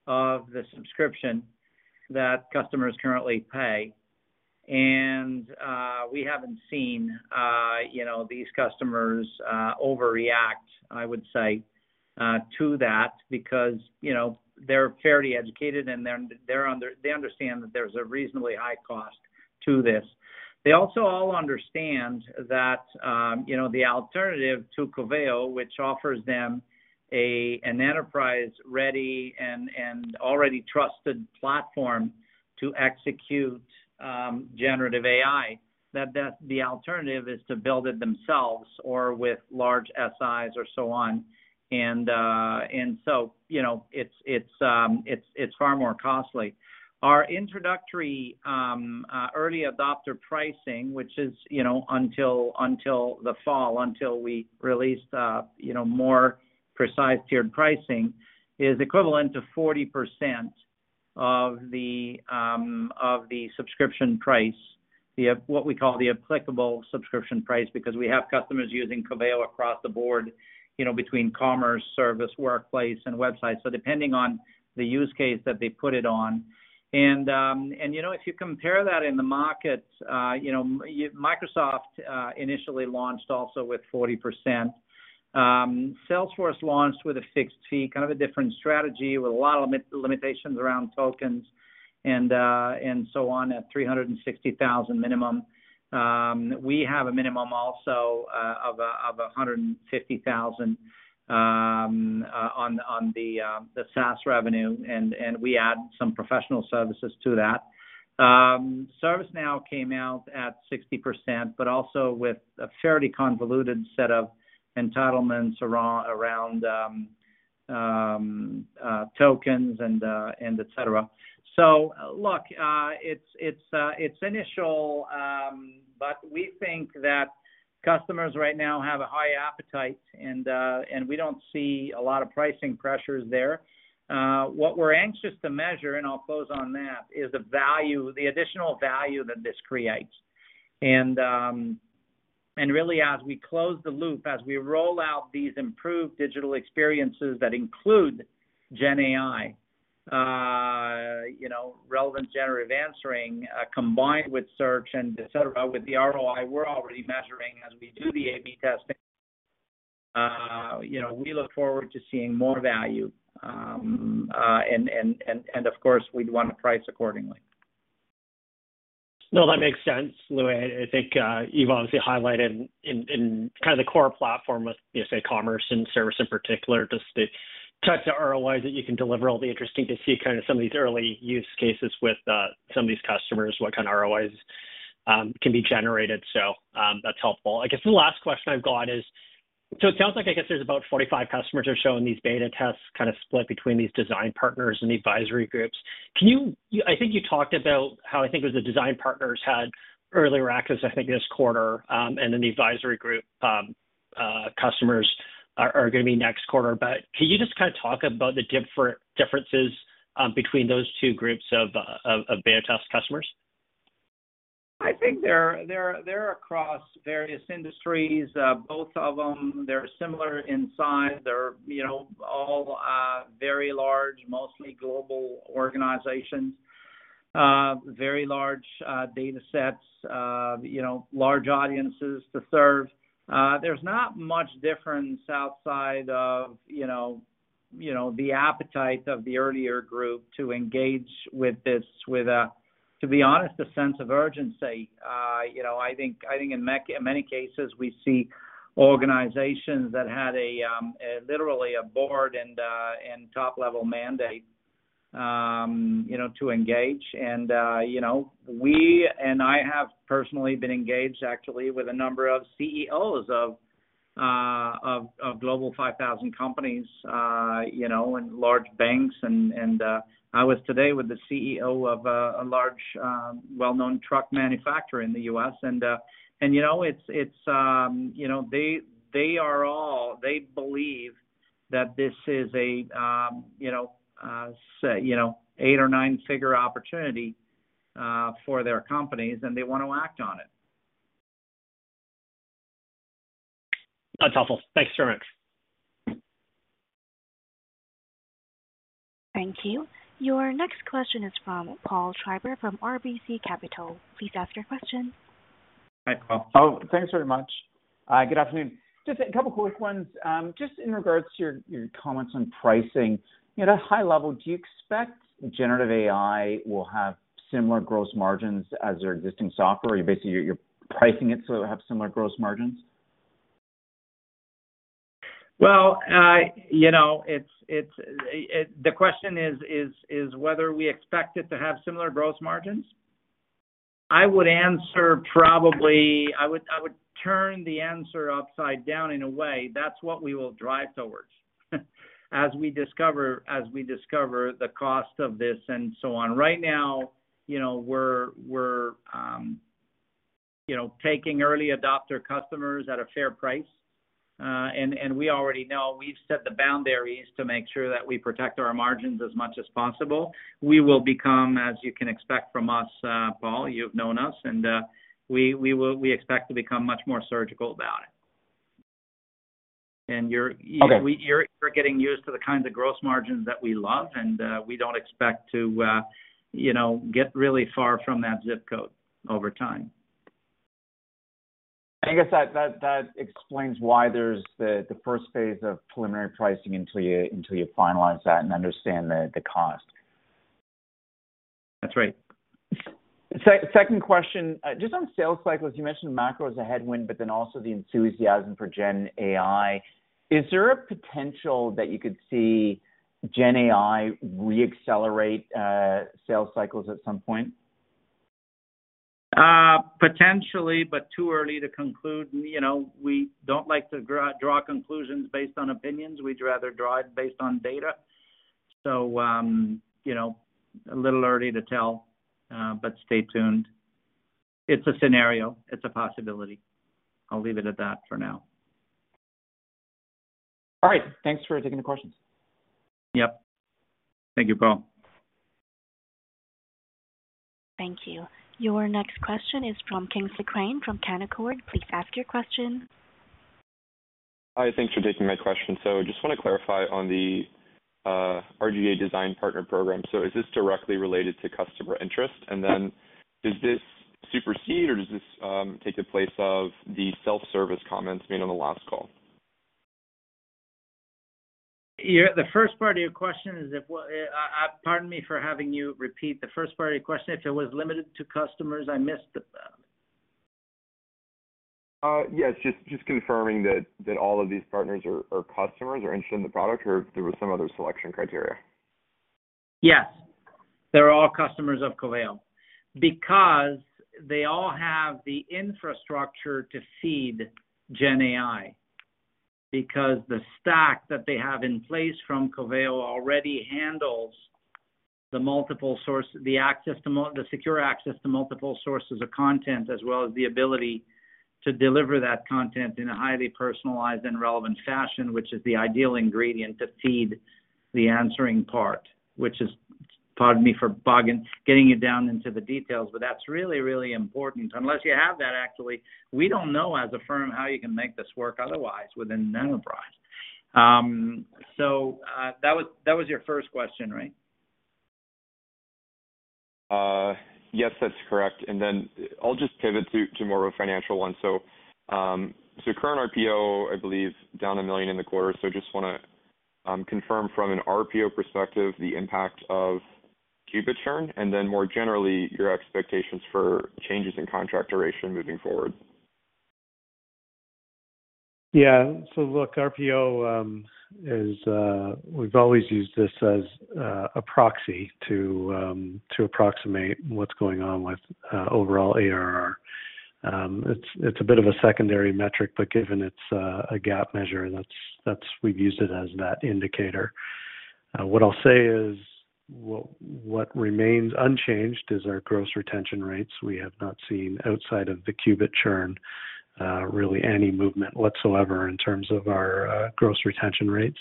of the subscription that customers currently pay. We haven't seen, you know, these customers overreact, I would say, to that, because, you know, they're fairly educated, and then they understand that there's a reasonably high cost to this. They also all understand that, you know, the alternative to Coveo, which offers them an enterprise-ready and, and already trusted platform to execute generative AI, that, that the alternative is to build it themselves or with large SIs or so on. You know, it's, it's, it's far more costly. Our introductory early adopter pricing, which is, you know, until, until the fall, until we release the, you know, more precise tiered pricing, is equivalent to 40% of the subscription price, what we call the applicable subscription price, because we have customers using Coveo across the board, you know, between commerce, service, workplace, and websites. Depending on the use case that they put it on. You know, if you compare that in the market, you know, Microsoft initially launched also with 40%. Salesforce launched with a fixed fee, kind of a different strategy, with a lot of limitations around tokens and so on, at $360,000 minimum. We have a minimum also of $150,000 on the SaaS revenue, and we add some professional services to that. ServiceNow came out at 60%, but also with a fairly convoluted set of entitlements around tokens and et cetera. Look, it's, it's initial, but we think that customers right now have a high appetite, and we don't see a lot of pricing pressures there. What we're anxious to measure, and I'll close on that, is the value, the additional value that this creates. Really, as we close the loop, as we roll out these improved digital experiences that include gen AI, you know, relevant generative answering, combined with search and et cetera, with the ROI we're already measuring as we do the A/B testing, you know, we look forward to seeing more value. Of course, we'd want to price accordingly. No, that makes sense, Louis. I think, you've obviously highlighted in, in kind of the core platform with, you know, say, commerce and service in particular, just the types of ROIs that you can deliver will be interesting to see kind of some of these early use cases with, some of these customers, what kind of ROIs can be generated. That's helpful. I guess the last question I've got is: so it sounds like, I guess there's about 45 customers are showing these beta tests, kind of split between these design partners and the advisory groups. I think you talked about how, I think it was the design partners had earlier access, I think, this quarter, and then the advisory group, customers are gonna be next quarter. Can you just kind of talk about the differences, between those two groups of, of, of beta test customers? I think they're across various industries. Both of them, they're similar in size. They're, you know, all very large, mostly global organizations. Very large data sets, you know, large audiences to serve. There's not much difference outside of, you know, you know, the appetite of the earlier group to engage with this, with to be honest, a sense of urgency. You know, I think in many cases, we see organizations that had a literally a board and top-level mandate to engage. You know, we and I have personally been engaged, actually, with a number of CEOs of global 5,000 companies, you know, and large banks. I was today with the CEO of a, a large, well-known truck manufacturer in the U.S. And, you know, it's, it's, you know, they, they believe that this is a, you know, say, you know, 8 or 9-figure opportunity for their companies, and they want to act on it. That's helpful. Thanks very much. Thank you. Your next question is from Paul Treiber from RBC Capital. Please ask your question. Hi, Paul. Thanks very much. Good afternoon. Just a couple of quick ones. Just in regards to your, your comments on pricing, at a high level, do you expect generative AI will have similar gross margins as your existing software? You're basically, you're, you're pricing it, so it will have similar gross margins? Well, you know, it's, it's, the question is, is, is whether we expect it to have similar gross margins? I would answer probably. I would, I would turn the answer upside down in a way. That's what we will drive towards, as we discover, as we discover the cost of this and so on. Right now, you know, we're, we're, you know, taking early adopter customers at a fair price, and, and we already know we've set the boundaries to make sure that we protect our margins as much as possible. We will become, as you can expect from us, Paul, you've known us, and, we, we will, we expect to become much more surgical about it. And you're- Okay. You're, you're getting used to the kinds of gross margins that we love, and we don't expect to, you know, get really far from that zip code over time. I guess that, that, that explains why there's the, the first phase of preliminary pricing until you, until you finalize that and understand the, the cost. That's right. Second question, just on sales cycles, you mentioned macro is a headwind, but then also the enthusiasm for Gen AI. Is there a potential that you could see Gen AI reaccelerate, sales cycles at some point? Potentially, but too early to conclude. You know, we don't like to draw, draw conclusions based on opinions. We'd rather draw it based on data. You know, a little early to tell, but stay tuned. It's a scenario. It's a possibility. I'll leave it at that for now. All right. Thanks for taking the questions. Yep. Thank you, Paul. Thank you. Your next question is from [King Suraine] from Canaccord. Please ask your question Hi, thanks for taking my question. Just want to clarify on the RGA design partner program. Is this directly related to customer interest? Does this supersede, or does this, take the place of the self-service comments made on the last call? Yeah, the first part of your question is if, pardon me for having you repeat the first part of your question. If it was limited to customers, I missed the... Yes, just, just confirming that, that all of these partners are, are customers or interested in the product, or if there was some other selection criteria. Yes. They're all customers of Coveo, because they all have the infrastructure to feed Gen AI. Because the stack that they have in place from Coveo already handles the multiple source, the access to the secure access to multiple sources of content, as well as the ability to deliver that content in a highly personalized and relevant fashion, which is the ideal ingredient to feed the answering part, which is, pardon me for getting you down into the details, but that's really, really important. Unless you have that, actually, we don't know as a firm how you can make this work otherwise within an enterprise. That was, that was your first question, right? Yes, that's correct. Then I'll just pivot to, to more of a financial one. Current RPO, I believe, down $1 million in the quarter. Just wanna confirm from an RPO perspective, the impact of Qubit churn, and then more generally, your expectations for changes in contract duration moving forward. Yeah. RPO is we've always used this as a proxy to approximate what's going on with overall ARR. It's, it's a bit of a secondary metric, but given it's a gap measure, we've used it as that indicator. What I'll say is, well, what remains unchanged is our gross retention rates. We have not seen outside of the Qubit churn, really any movement whatsoever in terms of our gross retention rates.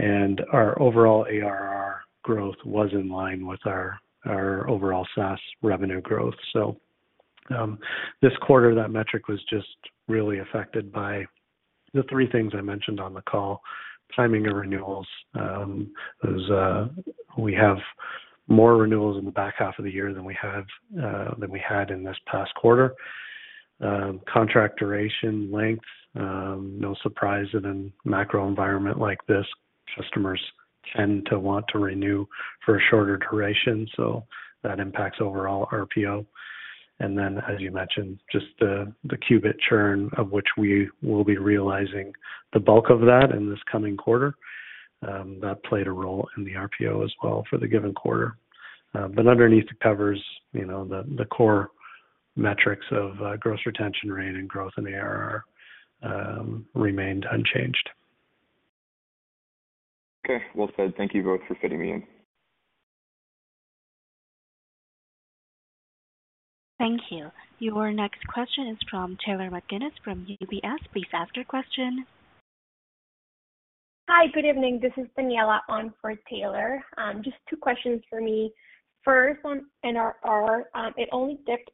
Our overall ARR growth was in line with our, our overall SaaS revenue growth. This quarter, that metric was just really affected by the three things I mentioned on the call. Timing of renewals is we have more renewals in the back half of the year than we have than we had in this past quarter. Contract duration lengths, no surprise in a macro environment like this, customers tend to want to renew for a shorter duration, that impacts overall RPO. As you mentioned, just the Qubit churn, of which we will be realizing the bulk of that in this coming quarter, that played a role in the RPO as well for the given quarter. Underneath the covers, you know, the core metrics of gross retention rate and growth in ARR remained unchanged. Okay, well said. Thank you both for fitting me in. Thank you. Your next question is from Taylor McGinnis from UBS. Please ask your question. Hi, good evening. This is Daniela on for Taylor. Just two questions for me. First, on NRR, it only dipped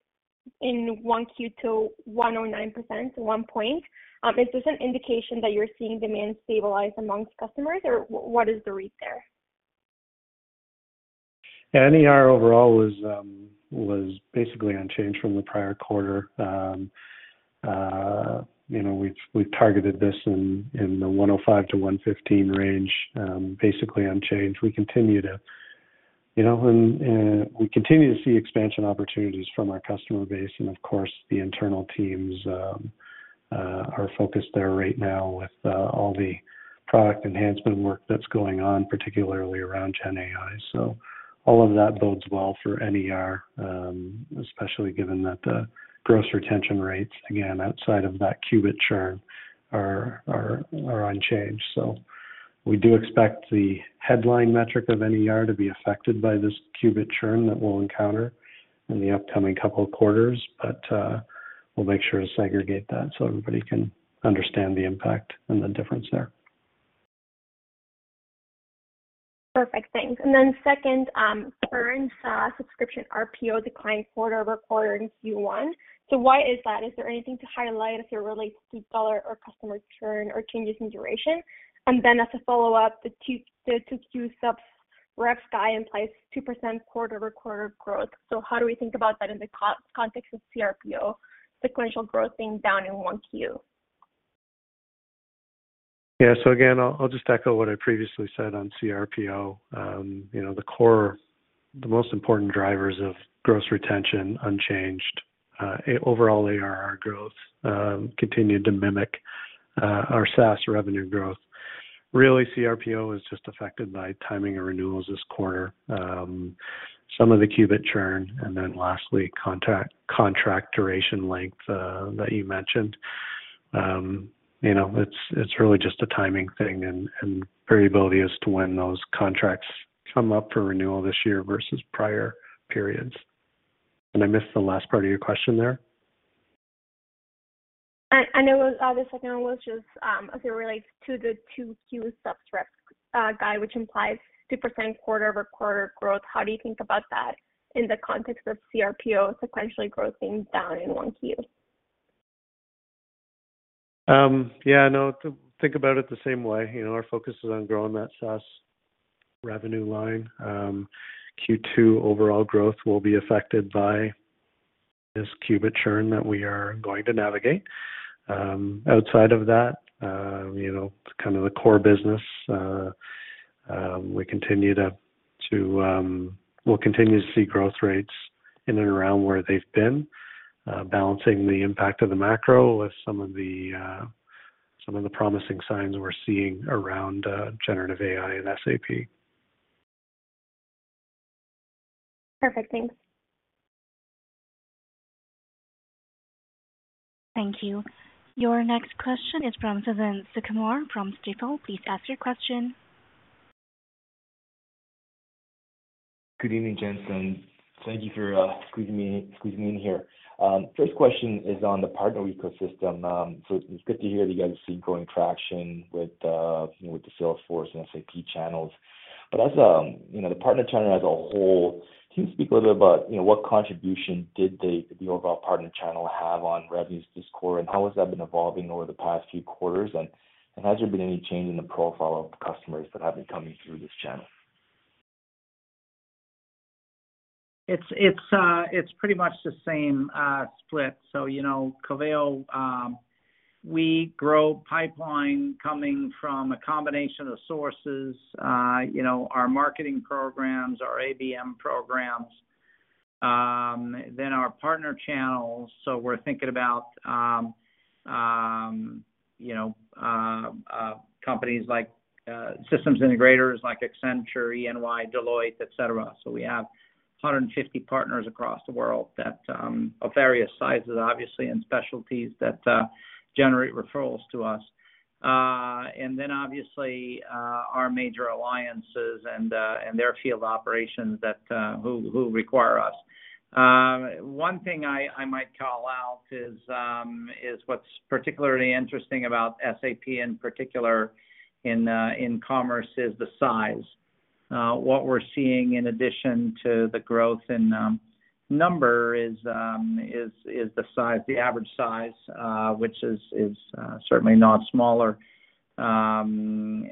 in one Q to 109%, 1 point. Is this an indication that you're seeing demand stabilize amongst customers, or what is the read there? Yeah, NER overall was basically unchanged from the prior quarter. You know, we've, we've targeted this in the 105-115 range, basically unchanged. We continue to, you know, and we continue to see expansion opportunities from our customer base, and of course, the internal teams are focused there right now with all the product enhancement work that's going on, particularly around GenAI. All of that bodes well for NER, especially given that the gross retention rates, again, outside of that Qubit churn, are, are, are unchanged. We do expect the headline metric of NER to be affected by this Qubit churn that we'll encounter in the upcoming couple of quarters, but we'll make sure to segregate that so everybody can understand the impact and the difference there. Perfect. Thanks. Second, current subscription RPO declined quarter-over-quarter in Q1. Why is that? Is there anything to highlight as it relates to dollar or customer churn or changes in duration? As a follow-up, the 2 Q subs rev sky implies 2% quarter-over-quarter growth. How do we think about that in the context of CRPO, sequential growth being down in one Q? Yeah. Again, I'll, I'll just echo what I previously said on CRPO. You know, the core, the most important drivers of gross retention unchanged, overall ARR growth, continued to mimic our SaaS revenue growth. Really, CRPO is just affected by timing of renewals this quarter, some of the Qubit churn, and then lastly, contract duration length that you mentioned. You know, it's, it's really just a timing thing and, and variability as to when those contracts come up for renewal this year versus prior periods. I missed the last part of your question there? It was, the second one was just, as it relates to the 2Q subtract, guy, which implies 2% quarter-over-quarter growth. How do you think about that in the context of CRPO sequentially growing down in 1Q? Yeah, I know, to think about it the same way. You know, our focus is on growing that SaaS revenue line. Q2 overall growth will be affected by this Qubit churn that we are going to navigate. Outside of that, you know, kind of the core business, we continue to, to, we'll continue to see growth rates in and around where they've been, balancing the impact of the macro with some of the, some of the promising signs we're seeing around generative AI and SAP. Perfect. Thanks. Thank you. Your next question is from Suthan Sukumar from Stifel. Please ask your question. Good evening, gents, and thank you for squeezing me, squeezing me in here. First question is on the partner ecosystem. It's good to hear that you guys see growing traction with, you know, with the SAP and SAP channels. As, you know, the partner channel as a whole, can you speak a little bit about, you know, what contribution did the, the overall partner channel have on revenues this quarter, and how has that been evolving over the past few quarters? Has there been any change in the profile of customers that have been coming through this channel? It's, it's, it's pretty much the same split. You know, Coveo, we grow pipeline coming from a combination of sources, you know, our marketing programs, our ABM programs, then our partner channels. We're thinking about, you know, companies like systems integrators like Accenture, EY, Deloitte, et cetera. We have 150 partners across the world that of various sizes, obviously, and specialties that generate referrals to us. Obviously, our major alliances and their field operations that who, who require us. One thing I, I might call out is what's particularly interesting about SAP in particular in commerce, is the size. What we're seeing in addition to the growth in number is, the size, the average size, which is, certainly not smaller, and,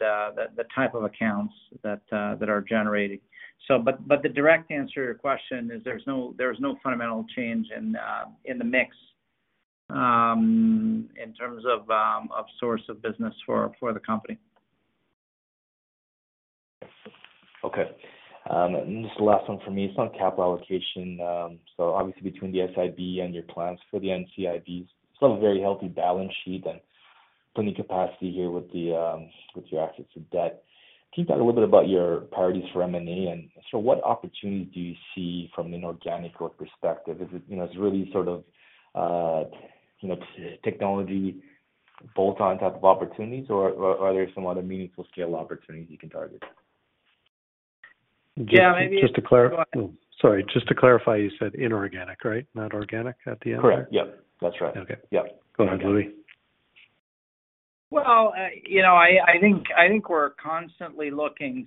the type of accounts that are generating. But, but the direct answer to your question is there's no, there is no fundamental change in the mix, in terms of source of business for, for the company. Okay. This is the last one for me. It's on capital allocation. Obviously, between the SIB and your plans for the NCIB, still a very healthy balance sheet and plenty capacity here with the with your assets of debt. Can you talk a little bit about your priorities for M&A? What opportunities do you see from an organic growth perspective? Is it, you know, it's really sort of, you know, technology bolt-on type of opportunities, or, or are there some other meaningful scale opportunities you can target? Yeah. Just to clarify. Sorry, just to clarify, you said inorganic, right? Not organic, at the end. Correct. Yep, that's right. Okay. Yep. Go ahead, Louis. Well, you know, I, I think, I think we're constantly looking...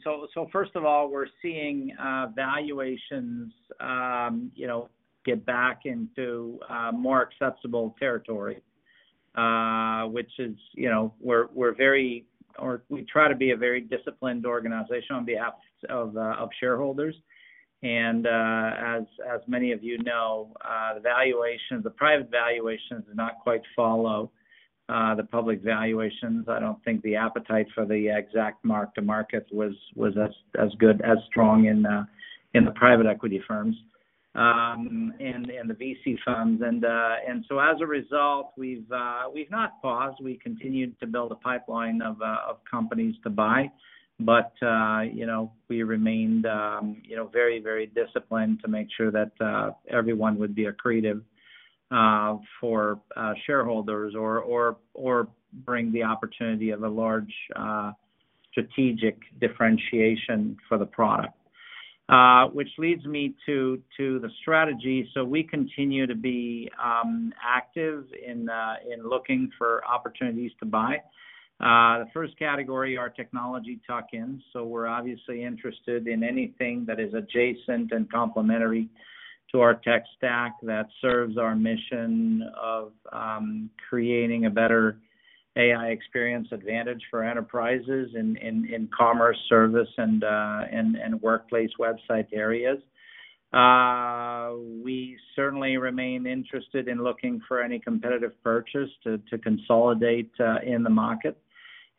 First of all, we're seeing valuations, you know, get back into more acceptable territory, which is, you know, we're, we're very, or we try to be a very disciplined organization on behalf of shareholders. As, as many of you know, the valuations, the private valuations did not quite follow the public valuations. I don't think the appetite for the exact mark to market was, was as, as good, as strong in the private equity firms, and, and the VC firms. As a result, we've, we've not paused. We continued to build a pipeline of companies to buy, but, you know, we remained, you know, very, very disciplined to make sure that everyone would be accretive for shareholders or, or, or bring the opportunity of a large strategic differentiation for the product. Which leads me to the strategy. We continue to be active in looking for opportunities to buy. The first category are technology tuck-ins. We're obviously interested in anything that is adjacent and complementary to our tech stack, that serves our mission of creating a better AI experience advantage for enterprises in commerce, service, and workplace website areas. We certainly remain interested in looking for any competitive purchase to consolidate in the market.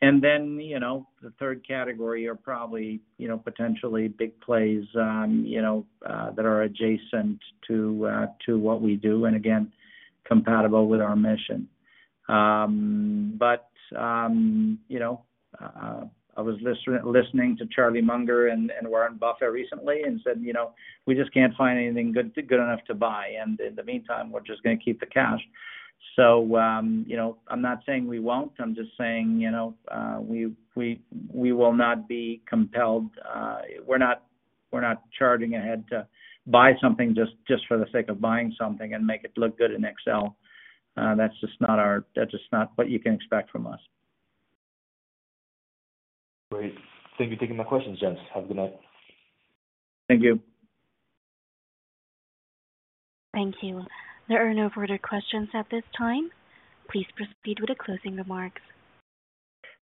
Then, you know, the third category are probably, you know, potentially big plays, you know, that are adjacent to what we do, and again, compatible with our mission. You know, I was listening to Charlie Munger and Warren Buffett recently and said, "You know, we just can't find anything good, good enough to buy, and in the meantime, we're just gonna keep the cash." You know, I'm not saying we won't, I'm just saying, you know, we, we, we will not be compelled, we're not, we're not charging ahead to buy something just, just for the sake of buying something and make it look good in Excel. That's just not what you can expect from us. Great. Thank you for taking my questions, gents. Have a good night. Thank you. Thank you. There are no further questions at this time. Please proceed with the closing remarks.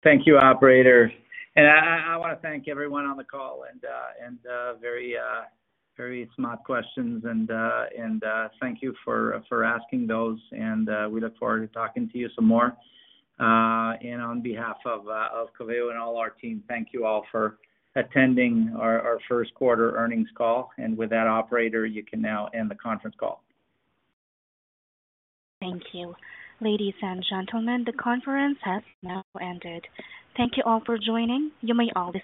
Thank you, operator. I, I, I want to thank everyone on the call, and, and, very, very smart questions, and, and, thank you for, for asking those, and, we look forward to talking to you some more. On behalf of, of Coveo and all our team, thank you all for attending our, our first quarter earnings call. With that operator, you can now end the conference call. Thank you. Ladies and gentlemen, the conference has now ended. Thank you all for joining. You may all disconnect.